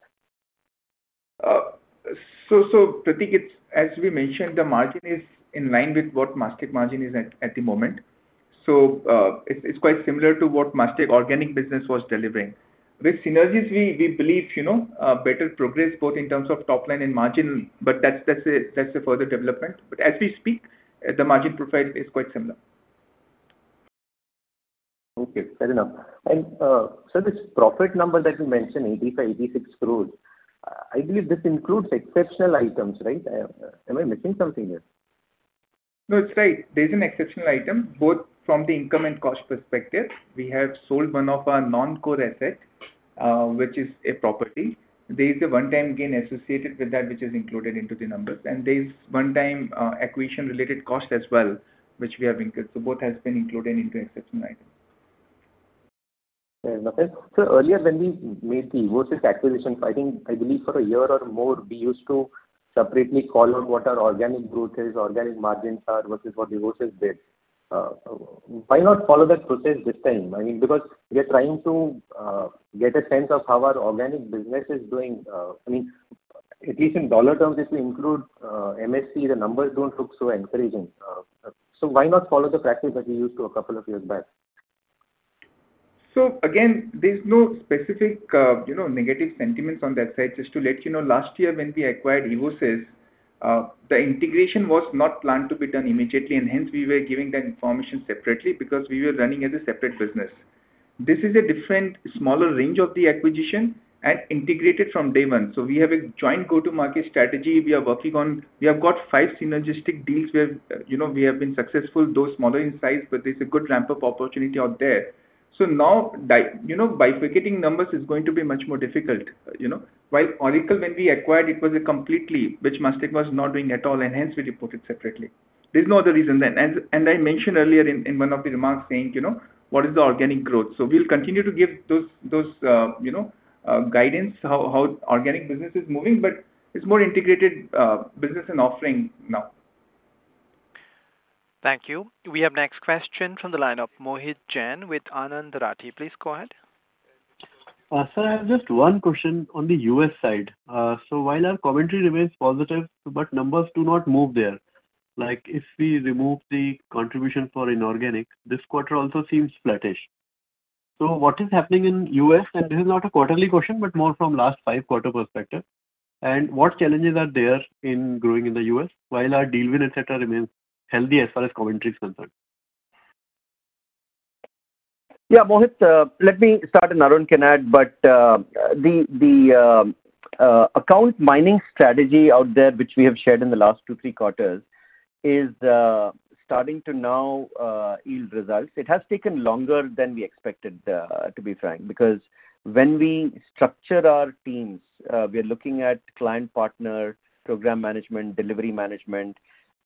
Pratik, as we mentioned, the margin is in line with what Mastek margin is at the moment. It's quite similar to what Mastek organic business was delivering. With synergies, we believe better progress both in terms of top line and margin, but that's a further development. As we speak, the margin profile is quite similar. Okay. Fair enough. Sir, this profit number that you mentioned, 85-86 crores, I believe this includes exceptional items, right? Am I missing something here? No, it's right. There's an exceptional item both from the income, and cost perspective. We have sold one of our non-core asset, which is a property. There is a one-time gain associated with that which is included into the numbers, and there's one-time acquisition-related cost as well, which we have included. Both has been included into exceptional item. Fair enough. Earlier when we made the Evosys acquisition, I think, I believe for a year or more, we used to separately call out what our organic growth is, organic margins are versus what Evosys did. Why not follow that process this time? I mean, because we are trying to get a sense of how our organic business is doing. I mean, at least in dollar terms, this will include MSP, the numbers don't look so encouraging. Why not follow the practice that we used to a couple of years back? Again, there's no specific, you know, negative sentiments on that side. Just to let you know, last year when we acquired Evosys, the integration was not planned to be done immediately, and hence we were giving that information separately because we were running as a separate business. This is a different smaller range of the acquisition, and integrated from day one. We have a joint go-to-market strategy. We are working on we have got five synergistic deals where, you know, we have been successful, though smaller in size, but there's a good ramp-up opportunity out there. Now, you know, bifurcating numbers is going to be much more difficult, you know. While Oracle, when we acquired, it was a completely which Mastek was not doing at all and hence we reported separately. There's no other reason than. I mentioned earlier in one of the remarks saying, you know, what is the organic growth? We'll continue to give those guidance, how organic business is moving, but it's more integrated business and offering now. Thank you. We have next question from the line of Mohit Jain with Anand Rathi. Please go ahead. Sir, I have just one question on the U.S. side. While our commentary remains positive, but numbers do not move there. Like, if we remove the contribution for inorganic, this quarter also seems flattish. What is happening in U.S.? This is not a quarterly question, but more from last Q5 perspective. What challenges are there in growing in the U.S. while our deal win, et cetera, remains healthy as far as commentary is concerned? Yeah, Mohit, let me start and Arun can add. The account mining strategy out there, which we have shared in the last Q2/Q3, is starting to now yield results. It has taken longer than we expected, to be frank. Because when we structure our teams, we are looking at client partner, program management, delivery management,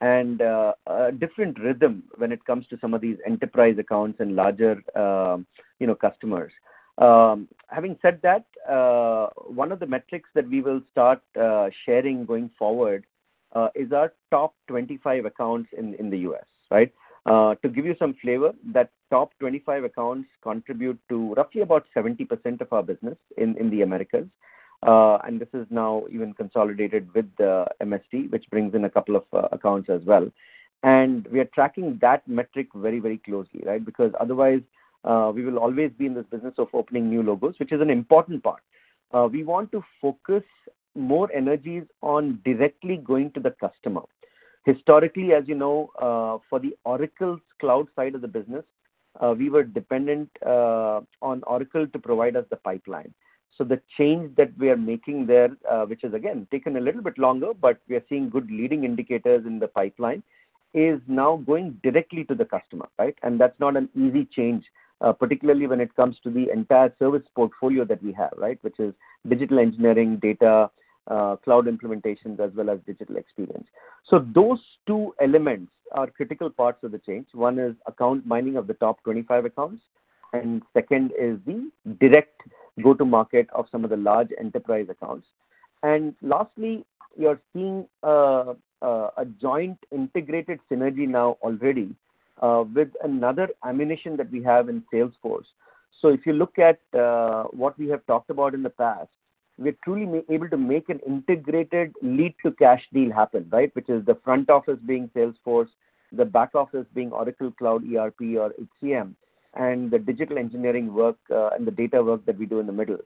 and a different rhythm when it comes to some of these enterprise accounts and larger, you know, customers. Having said that, one of the metrics that we will start sharing going forward is our top 25 accounts in the U.S., right? To give you some flavor, that top 25 accounts contribute to roughly about 70% of our business in the Americas. And this is now even consolidated with the MST, which brings in a couple of accounts as well. We are tracking that metric very, very closely, right? Because otherwise, we will always be in this business of opening new logos, which is an important part. We want to focus more energies on directly going to the customer. Historically, as you know, for the Oracle's cloud side of the business, we were dependent on Oracle to provide us the pipeline. The change that we are making there, which has again taken a little bit longer, but we are seeing good leading indicators in the pipeline, is now going directly to the customer, right? That's not an easy change, particularly when it comes to the entire service portfolio that we have, right? Which is digital engineering data, cloud implementations, as well as digital experience. Those two elements are critical parts of the change. One is account mining of the top 25 accounts, and second is the direct go-to-market of some of the large enterprise accounts. Lastly, you're seeing a joint integrated synergy now already with another acquisition that we have in Salesforce.If you look at what we have talked about in the past, we're truly able to make an integrated lead to cash deal happen, right? Which is the front office being Salesforce, the back office being Oracle Cloud ERP or HCM, and the digital engineering work ,and the data work that we do in the middle.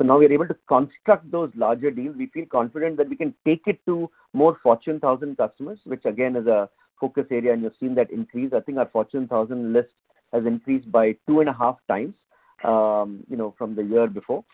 Now we're able to construct those larger deals. We feel confident that we can take it to more Fortune 1000 customers, which again is a focus area, and you're seeing that increase. I think our Fortune 1000 list has increased by 2.5x, you know, from the year before.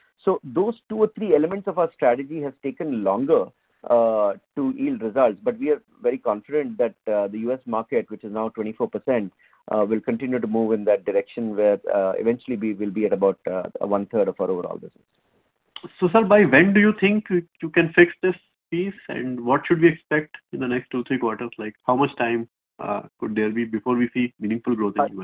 Those two or three elements of our strategy has taken longer to yield results, but we are very confident that the U.S. market, which is now 24%, will continue to move in that direction where eventually we will be at about 1/3 of our overall business. sir, by when do you think you can fix this piece, and what should we expect in the next Q2,Q3? Like, how much time could there be before we see meaningful growth in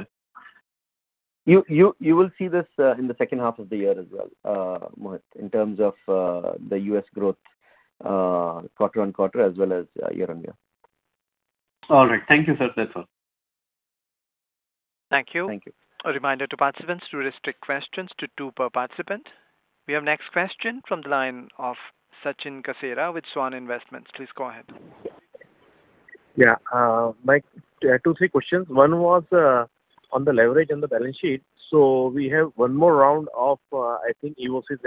U.S.? You will see this in the H2 of the year as well, Mohit, in terms of the U.S. growth, quarter-on-quarter as well as year-on-year. All right. Thank you, sir. That's all. Thank you. Thank you. A reminder to participants to restrict questions to two per participant. We have next question from the line of Sachin Kasera with Swan Investments. Please go ahead. Yeah. Mike, I have two, three questions. One was on the leverage on the balance sheet. We have one more round of, I think Evosys,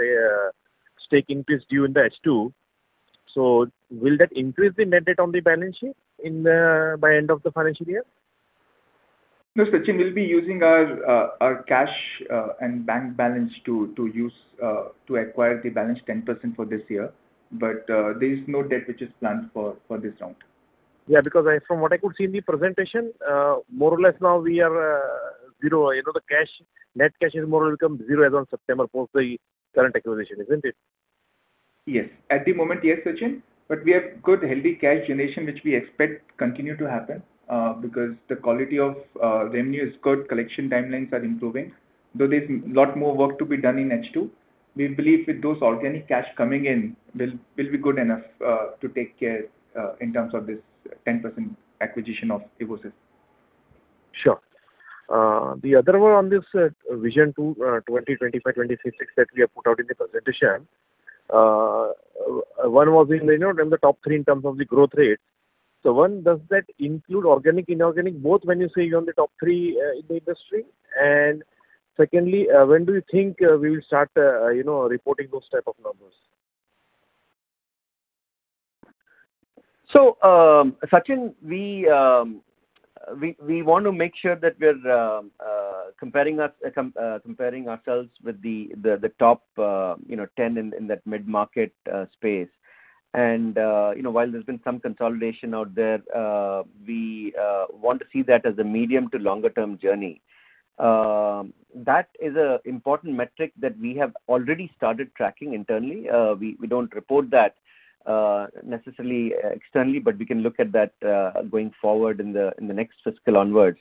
stake increase due in the H2. Will that increase the net debt on the balance sheet by end of the financial year? No, Sachin. We'll be using our cash and bank balance to acquire the balance 10% for this year. There is no debt which is planned for this round. Yeah, because from what I could see in the presentation, more or less now we are zero. You know, the cash, net cash is more or less become zero as on September post the current acquisition, isn't it? Yes. At the moment, yes, Sachin. We have good healthy cash generation which we expect to continue to happen, because the quality of revenue is good, collection timelines are improving, though there's a lot more work to be done in H2. We believe with those organic cash coming in will be good enough to take care of in terms of this 10% acquisition of Evosys. Sure. The other one on this, Vision 2025, 2026 that we have put out in the presentation. One was in the, you know, in the top three in terms of the growth rate. One, does that include organic, inorganic, both when you say you're on the top three in the industry? And secondly, when do you think we will start, you know, reporting those type of numbers? Sachin, we want to make sure that we're comparing ourselves with the top 10 in that mid-market space. You know, while there's been some consolidation out there, we want to see that as a medium to longer term journey. That is an important metric that we have already started tracking internally. We don't report that necessarily externally, but we can look at that going forward in the next fiscal onwards.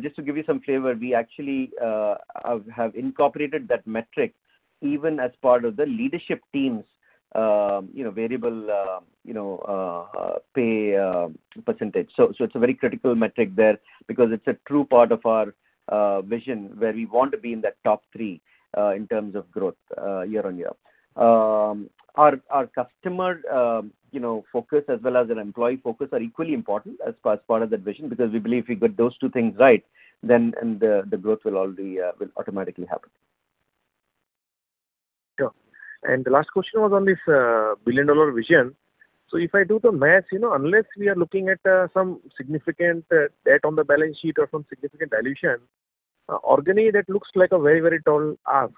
Just to give you some flavor, we actually have incorporated that metric even as part of the leadership team's you know variable you know pay percentage. It's a very critical metric there because it's a true part of our vision where we want to be in that top three in terms of growth year-on-year. Our customer, you know, focus as well as an employee focus are equally important as part of that vision because we believe if we get those two things right then the growth will automatically happen. Sure. The last question was on this billion-dollar vision. If I do the math, you know, unless we are looking at some significant debt on the balance sheet or some significant dilution, organically, that looks like a very, very tall ask.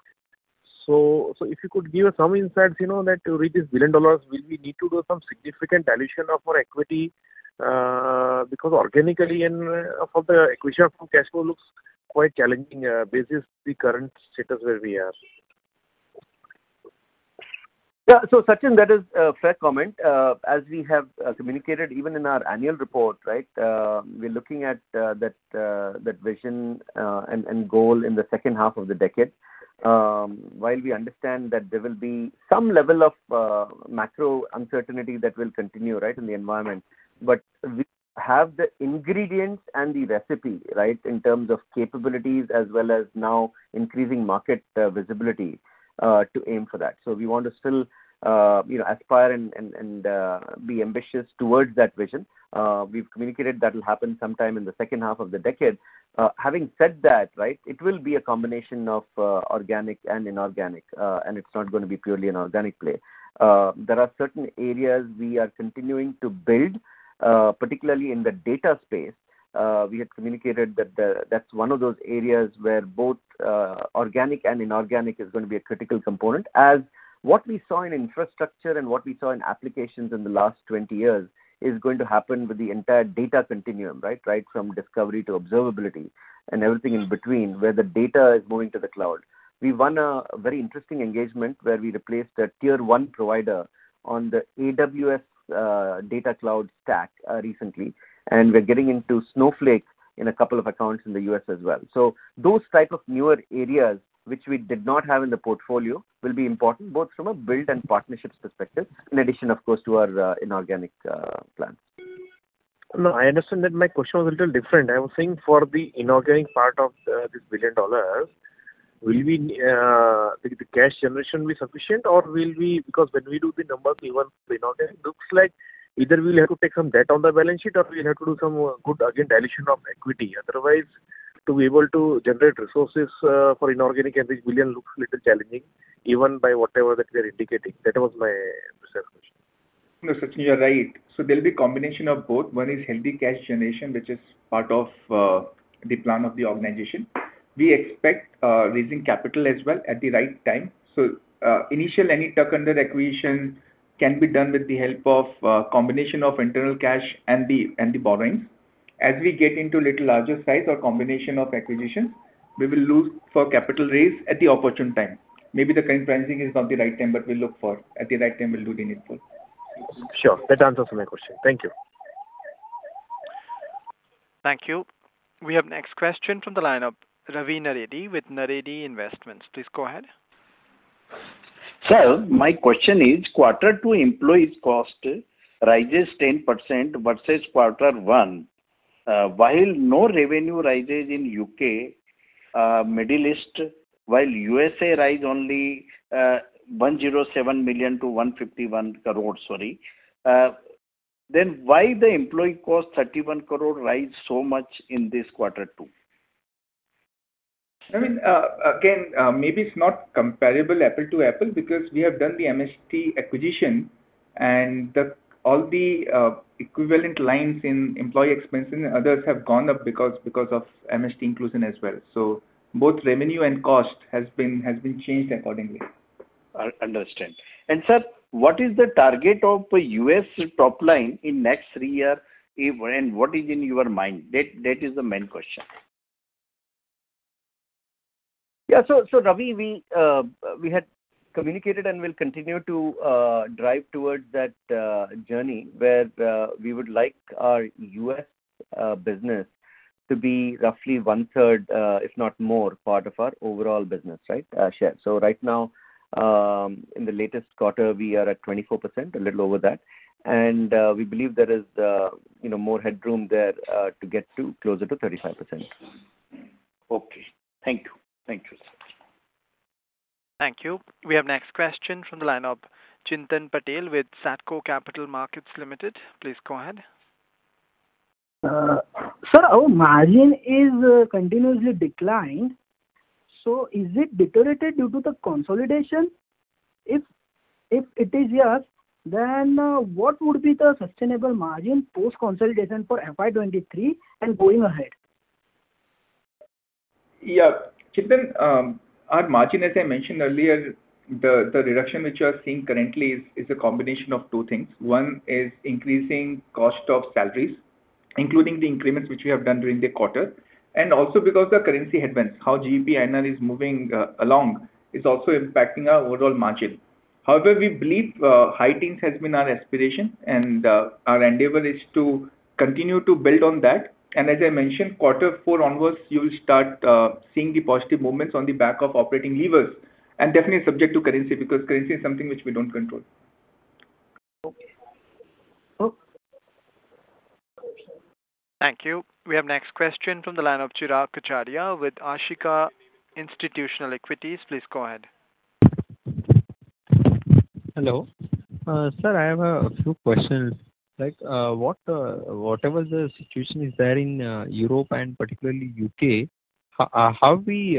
If you could give us some insights, you know, that to reach this $1 billion, will we need to do some significant dilution of our equity? Because organically and from acquisitions from cash flow looks quite challenging, based on the current status where we are. Yeah. Sachin, that is a fair comment. As we have communicated even in our annual report, right, we're looking at that vision and goal in the H2 of the decade. While we understand that there will be some level of macro uncertainty that will continue, right, in the environment. We have the ingredients and the recipe, right, in terms of capabilities as well as now increasing market visibility to aim for that. We want to still you know aspire, and be ambitious towards that vision. We've communicated that'll happen sometime in the H2 of the decade. Having said that, right, it will be a combination of organic and inorganic and it's not gonna be purely an organic play. There are certain areas we are continuing to build, particularly in the data space. We had communicated that that's one of those areas where both organic and inorganic is gonna be a critical component. As what we saw in infrastructure and what we saw in applications in the last 20 years is going to happen with the entire data continuum, right? Right from discovery to observability, and everything in between, where the data is moving to the cloud. We won a very interesting engagement where we replaced a tier one provider on the AWS data cloud stack recently, and we're getting into Snowflake in a couple of accounts in the U.S. as well. Those type of newer areas which we did not have in the portfolio will be important both from a build and partnerships perspective, in addition, of course, to our inorganic plan. No, I understand that. My question was a little different. I was saying for the inorganic part of $1 billion, will the cash generation be sufficient or will we. Because when we do the numbers even for inorganic, looks like either we'll have to take some debt on the balance sheet or we'll have to do some dilution of equity. Otherwise, to be able to generate resources for inorganic and this $1 billion looks a little challenging, even by whatever that we are indicating. That was my research question. No, Sachin, you're right. There'll be combination of both. One is healthy cash generation, which is part of the plan of the organization. We expect raising capital as well at the right time. Initial any tuck-in acquisition can be done with the help of combination of internal cash and the borrowings. As we get into little larger size or combination of acquisition, we will look for capital raise at the opportune time. Maybe the current financing is not the right time, but we'll look for. At the right time, we'll do the needful. Sure. That answers my question. Thank you. Thank you. We have next question from the line of Ravi Naredi with Naredi Investments. Please go ahead. Sir, my question is, quarter two employee cost rises 10% versus quarter one. While no revenue rises in U.K., Middle East, while U.S. rise only, 107 million to 151 crore, sorry. Then why the employee cost 31 crore rise so much in this quarter two? I mean, again, maybe it's not comparable apples to apples because we have done the MST acquisition and all the equivalent lines in employee expense and others have gone up because of MST inclusion as well. Both revenue and cost has been changed accordingly. Understand. Sir, what is the target of U.S. top line in next three year, if and what is in your mind? That is the main question. Ravi, we had communicated and will continue to drive towards that journey where we would like our U.S. business to be roughly one-third, if not more, part of our overall business, right? Sure. Right now, in the latest quarter, we are at 24%, a little over that. We believe there is, you know, more headroom there to get closer to 35%. Okay. Thank you. Thank you. Thank you. We have next question from the line of Chintan Patel with Satco Capital Markets Limited. Please go ahead. Sir, our margin is continuously declined. Is it deteriorated due to the consolidation? If it is yes, then what would be the sustainable margin post-consolidation for FY23 and going ahead? Yeah. Chintan, our margin, as I mentioned earlier, the reduction which you are seeing currently is a combination of two things. One is increasing cost of salaries, including the increments which we have done during the quarter, and also because of currency headwinds. How GBPINR is moving along is also impacting our overall margin. However, we believe high teens% has been our aspiration and our endeavor is to continue to build on that. As I mentioned, quarter four onwards, you will start seeing the positive movement on the back of operating levers. Definitely subject to currency, because currency is something which we don't control. Okay. Cool. Thank you. We have next question from the line of Chirag Kachhadiya with Ashika Institutional Equities. Please go ahead. Hello. Sir, I have a few questions. Like, what whatever the situation is there in Europe and particularly U.K., how are we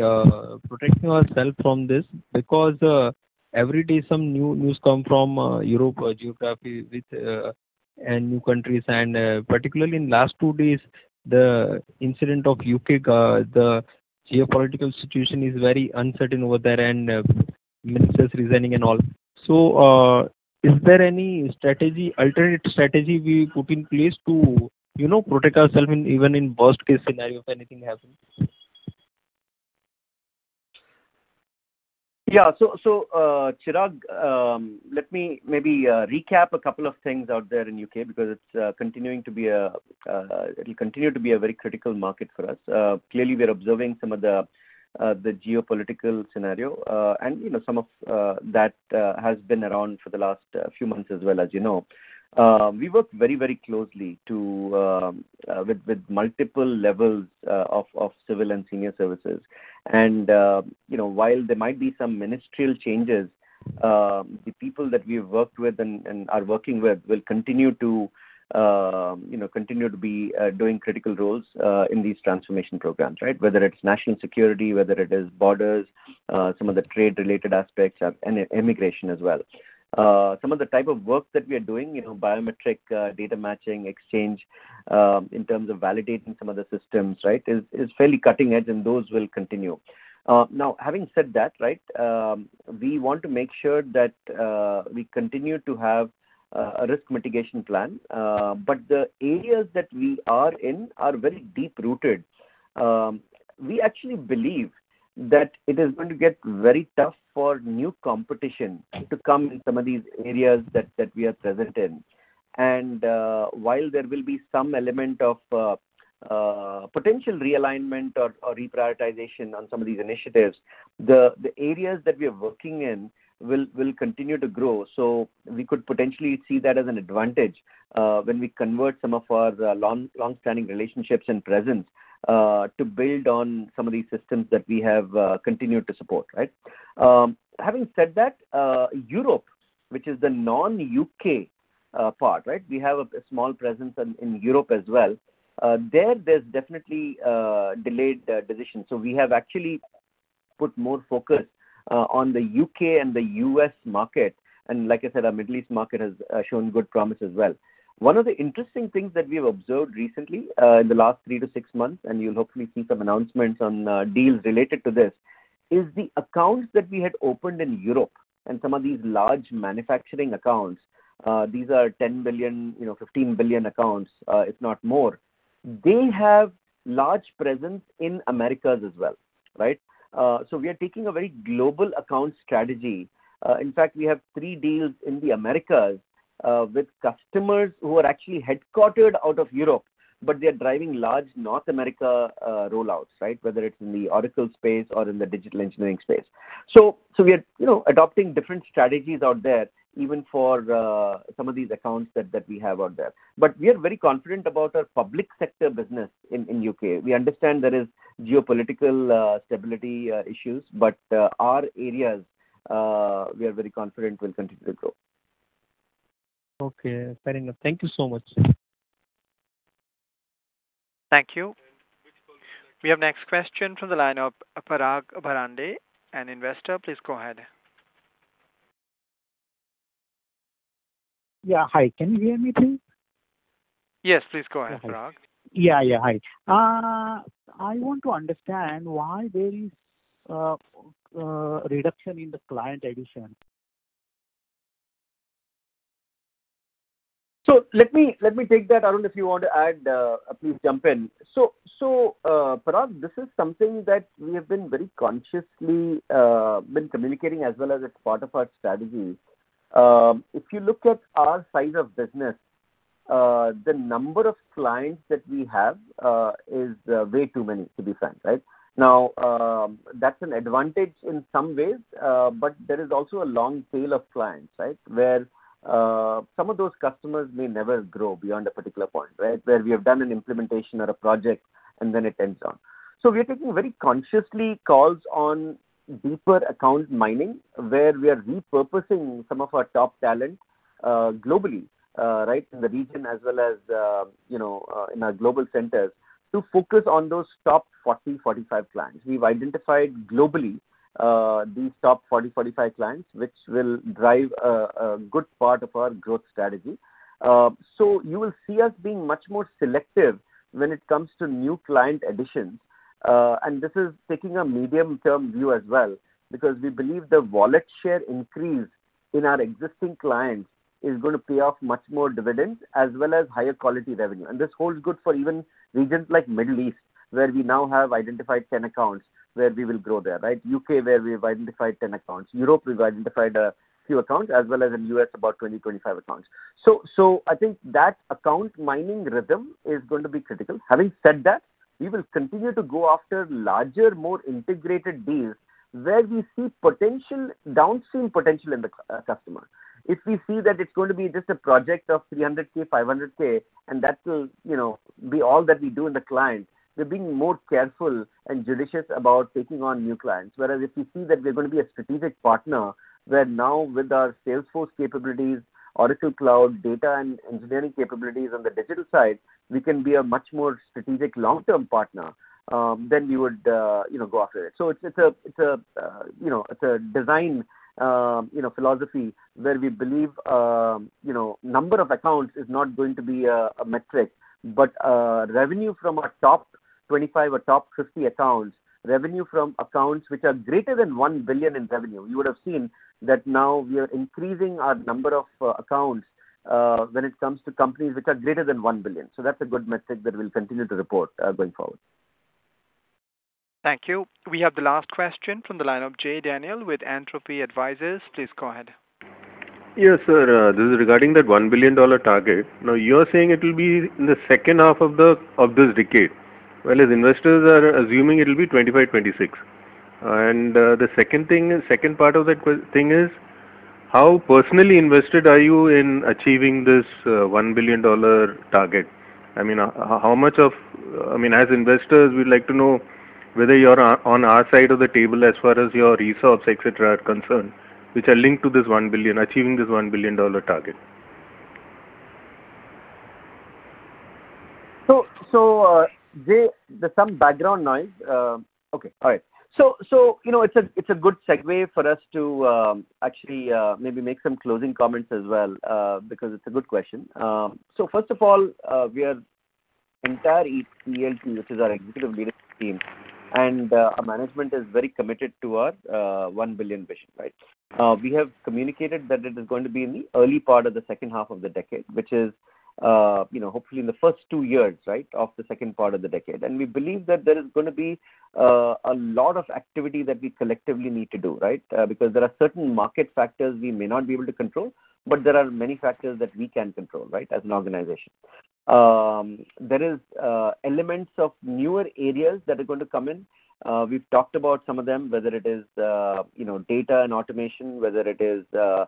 protecting ourself from this? Because every day some new news come from European geography with new countries. Particularly in last two days, the incident of U.K., the geopolitical situation is very uncertain over there, and ministers resigning and all. Is there any strategy, alternate strategy we put in place to, you know, protect ourself in even in worst case scenario if anything happens? Yeah. Chirag, let me maybe recap a couple of things out there in U.K. because it's continuing to be. It'll continue to be a very critical market for us. Clearly we are observing some of the geopolitical scenario, and you know, some of that has been around for the last few months as well, as you know. We work very closely with multiple levels of civil and senior services. You know, while there might be some ministerial changes, the people that we've worked with and are working with will continue to be doing critical roles in these transformation programs, right? Whether it's national security, whether it is borders, some of the trade-related aspects of and immigration as well. Some of the type of work that we are doing, you know, biometric data matching exchange, in terms of validating some of the systems, right, is fairly cutting edge, and those will continue. Now having said that, right, we want to make sure that we continue to have a risk mitigation plan. The areas that we are in are very deep-rooted. We actually believe that it is going to get very tough for new competition to come in some of these areas that we are present in. While there will be some element of potential realignment or reprioritization on some of these initiatives, the areas that we are working in will continue to grow. We could potentially see that as an advantage, when we convert some of our long-standing relationships and presence, to build on some of these systems that we have, continued to support, right? Having said that, Europe, which is the non-U.K., part, right? We have a small presence in Europe as well. There's definitely delayed decisions. We have actually put more focus, on the U.K. and the U.S. market. Like I said, our Middle East market has, shown good promise as well. One of the interesting things that we have observed recently, in the last three to six months, and you'll hopefully see some announcements on, deals related to this, is the accounts that we had opened in Europe and some of these large manufacturing accounts, these are $10 billion, you know, $15 billion accounts, if not more. They have large presence in Americas as well, right? We are taking a very global account strategy. In fact, we have three deals in the Americas, with customers who are actually headquartered out of Europe, but they are driving large North America, rollouts, right? Whether it's in the Oracle space or in the digital engineering space. We are, you know, adopting different strategies out there, even for, some of these accounts that we have out there. We are very confident about our public sector business in U.K. We understand there is geopolitical instability issues, but our areas we are very confident will continue to grow. Okay. Fair enough. Thank you so much. Thank you. We have next question from the line of Parag Pandey, an investor. Please go ahead. Yeah. Hi. Can you hear me please? Yes, please go ahead, Parag. Yeah, yeah. Hi. I want to understand why there is reduction in the client addition. Let me take that. Arun, if you want to add, please jump in. Parag, this is something that we have been very consciously been communicating as well as it's part of our strategy. If you look at our size of business, the number of clients that we have is way too many to be frank, right? Now, that's an advantage in some ways, but there is also a long tail of clients, right? Where some of those customers may never grow beyond a particular point, right? Where we have done an implementation or a project and then it ends on. We are taking very consciously calls on deeper account mining, where we are repurposing some of our top talent globally right in the region as well as you know in our global centers, to focus on those top 40-45 clients. We've identified globally these top 40-45 clients, which will drive a good part of our growth strategy. You will see us being much more selective when it comes to new client additions. This is taking a medium-term view as well, because we believe the wallet share increase in our existing clients is gonna pay off much more dividends as well as higher quality revenue. This holds good for even regions like Middle East, where we now have identified 10 accounts where we will grow there, right? UK, where we have identified 10 accounts. Europe, we've identified a few accounts, as well as in U.S., about 20-25 accounts. I think that account mining rhythm is going to be critical. Having said that, we will continue to go after larger, more integrated deals where we see potential, downstream potential in the customer. If we see that it's going to be just a project of $300,000-$500,000, and that will, you know, be all that we do in the client, we're being more careful and judicious about taking on new clients. Whereas if we see that we're gonna be a strategic partner, where now with our Salesforce capabilities, Oracle Cloud data and engineering capabilities on the digital side, we can be a much more strategic long-term partner, then we would, you know, go after it. It's a design philosophy where we believe, you know, number of accounts is not going to be a metric, but revenue from our top 25 or top 50 accounts, revenue from accounts which are greater than $1 billion in revenue. You would have seen that now we are increasing our number of accounts when it comes to companies which are greater than $1 billion. That's a good metric that we'll continue to report going forward. Thank you. We have the last question from the line of Jay Daniel with Entropy Advisors. Please go ahead. Yes, sir. This is regarding that $1 billion target. Now, you're saying it will be in the H2 of this decade. Well, as investors are assuming it will be 2025, 2026. The second part of that question is how personally invested are you in achieving this $1 billion target? I mean, as investors, we'd like to know whether you're on our side of the table as far as your resource, et cetera, are concerned, which are linked to achieving this $1 billion target. Ajay, there's some background noise. Okay. All right. You know, it's a good segue for us to actually maybe make some closing comments as well because it's a good question. First of all, we're the entire ELT, which is our executive leadership team, and our management is very committed to our $1 billion vision, right? We have communicated that it is going to be in the early part of the H2 of the decade, which is, you know, hopefully in the first two years, right, of the second part of the decade. We believe that there is gonna be a lot of activity that we collectively need to do, right? Because there are certain market factors we may not be able to control, but there are many factors that we can control, right, as an organization. There is elements of newer areas that are going to come in. We've talked about some of them, whether it is, you know, data and automation, whether it is the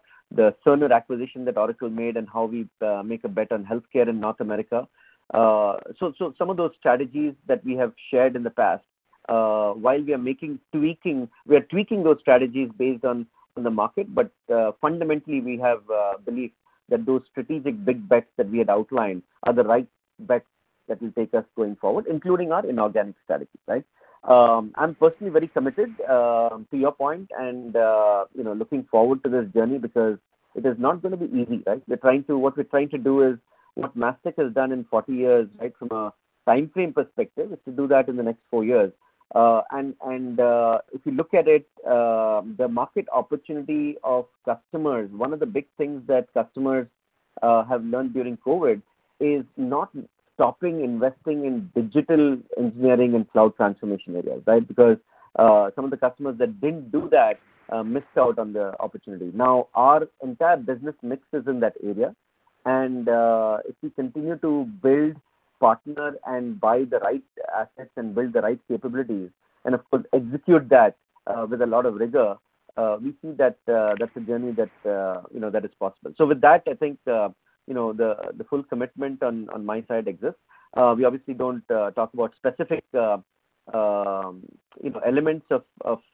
Cerner acquisition that Oracle made and how we make a bet on healthcare in North America. Some of those strategies that we have shared in the past, while we are tweaking those strategies based on the market. Fundamentally, we have belief that those strategic big bets that we had outlined are the right bets that will take us going forward, including our inorganic strategies, right? I'm personally very committed to your point and, you know, looking forward to this journey because it is not gonna be easy, right? What we're trying to do is what Mastek has done in 40 years, right, from a timeframe perspective, is to do that in the next four years. If you look at it, the market opportunity of customers, one of the big things that customers have learned during COVID is not stopping investing in digital engineering and cloud transformation areas, right? Because some of the customers that didn't do that missed out on the opportunity. Now, our entire business mix is in that area. If we continue to build, partner, and buy the right assets and build the right capabilities, and of course, execute that with a lot of rigor, we see that that's a journey that you know that is possible. With that, I think you know the full commitment on my side exists. We obviously don't talk about specific you know elements of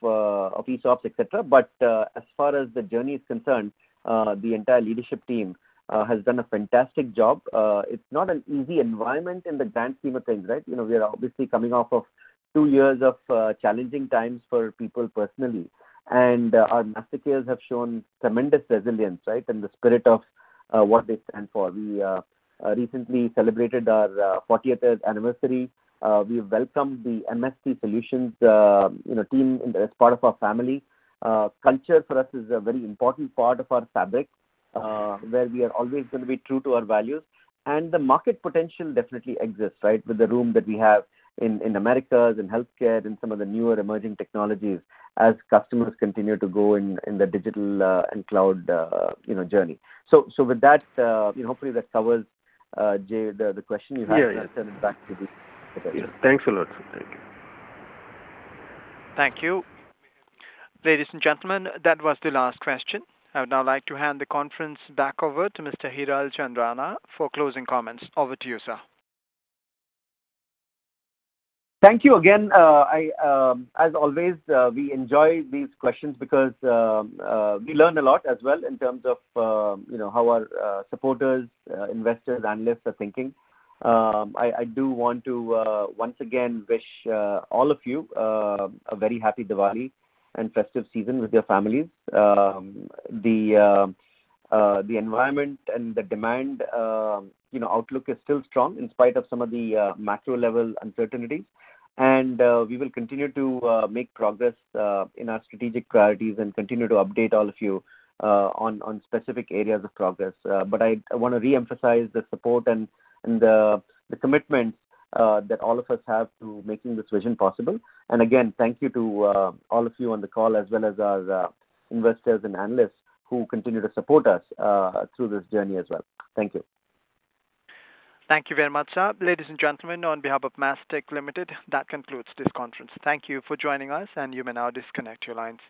ESOPs, et cetera. As far as the journey is concerned, the entire leadership team has done a fantastic job. It's not an easy environment in the grand scheme of things, right? You know, we are obviously coming off of two years of challenging times for people personally. Our Mastekeers have shown tremendous resilience, right? The spirit of what they stand for. We recently celebrated our fortieth anniversary. We've welcomed the MST Solutions, you know, team as part of our family. Culture for us is a very important part of our fabric, where we are always gonna be true to our values. The market potential definitely exists, right, with the room that we have in Americas, in healthcare, in some of the newer emerging technologies as customers continue to go in the digital and cloud, you know, journey. With that, you know, hopefully that covers, Jay, the question you had. Yeah, yeah. I'll turn it back to you. Yeah. Thanks a lot. Thank you. Thank you. Ladies and gentlemen, that was the last question. I would now like to hand the conference back over to Mr. Hiral Chandrana for closing comments. Over to you, sir. Thank you again. As always, we enjoy these questions because we learn a lot as well in terms of, you know, how our supporters, investors, analysts are thinking. I do want to once again wish all of you a very happy Diwali and festive season with your families. The environment and the demand, you know, outlook is still strong in spite of some of the macro level uncertainty. We will continue to make progress in our strategic priorities and continue to update all of you on specific areas of progress. I wanna reemphasize the support and the commitment that all of us have to making this vision possible. Thank you to all of you on the call, as well as our investors and analysts who continue to support us through this journey as well. Thank you. Thank you very much, sir. Ladies and gentlemen, on behalf of Mastek Limited, that concludes this conference. Thank you for joining us, and you may now disconnect your lines.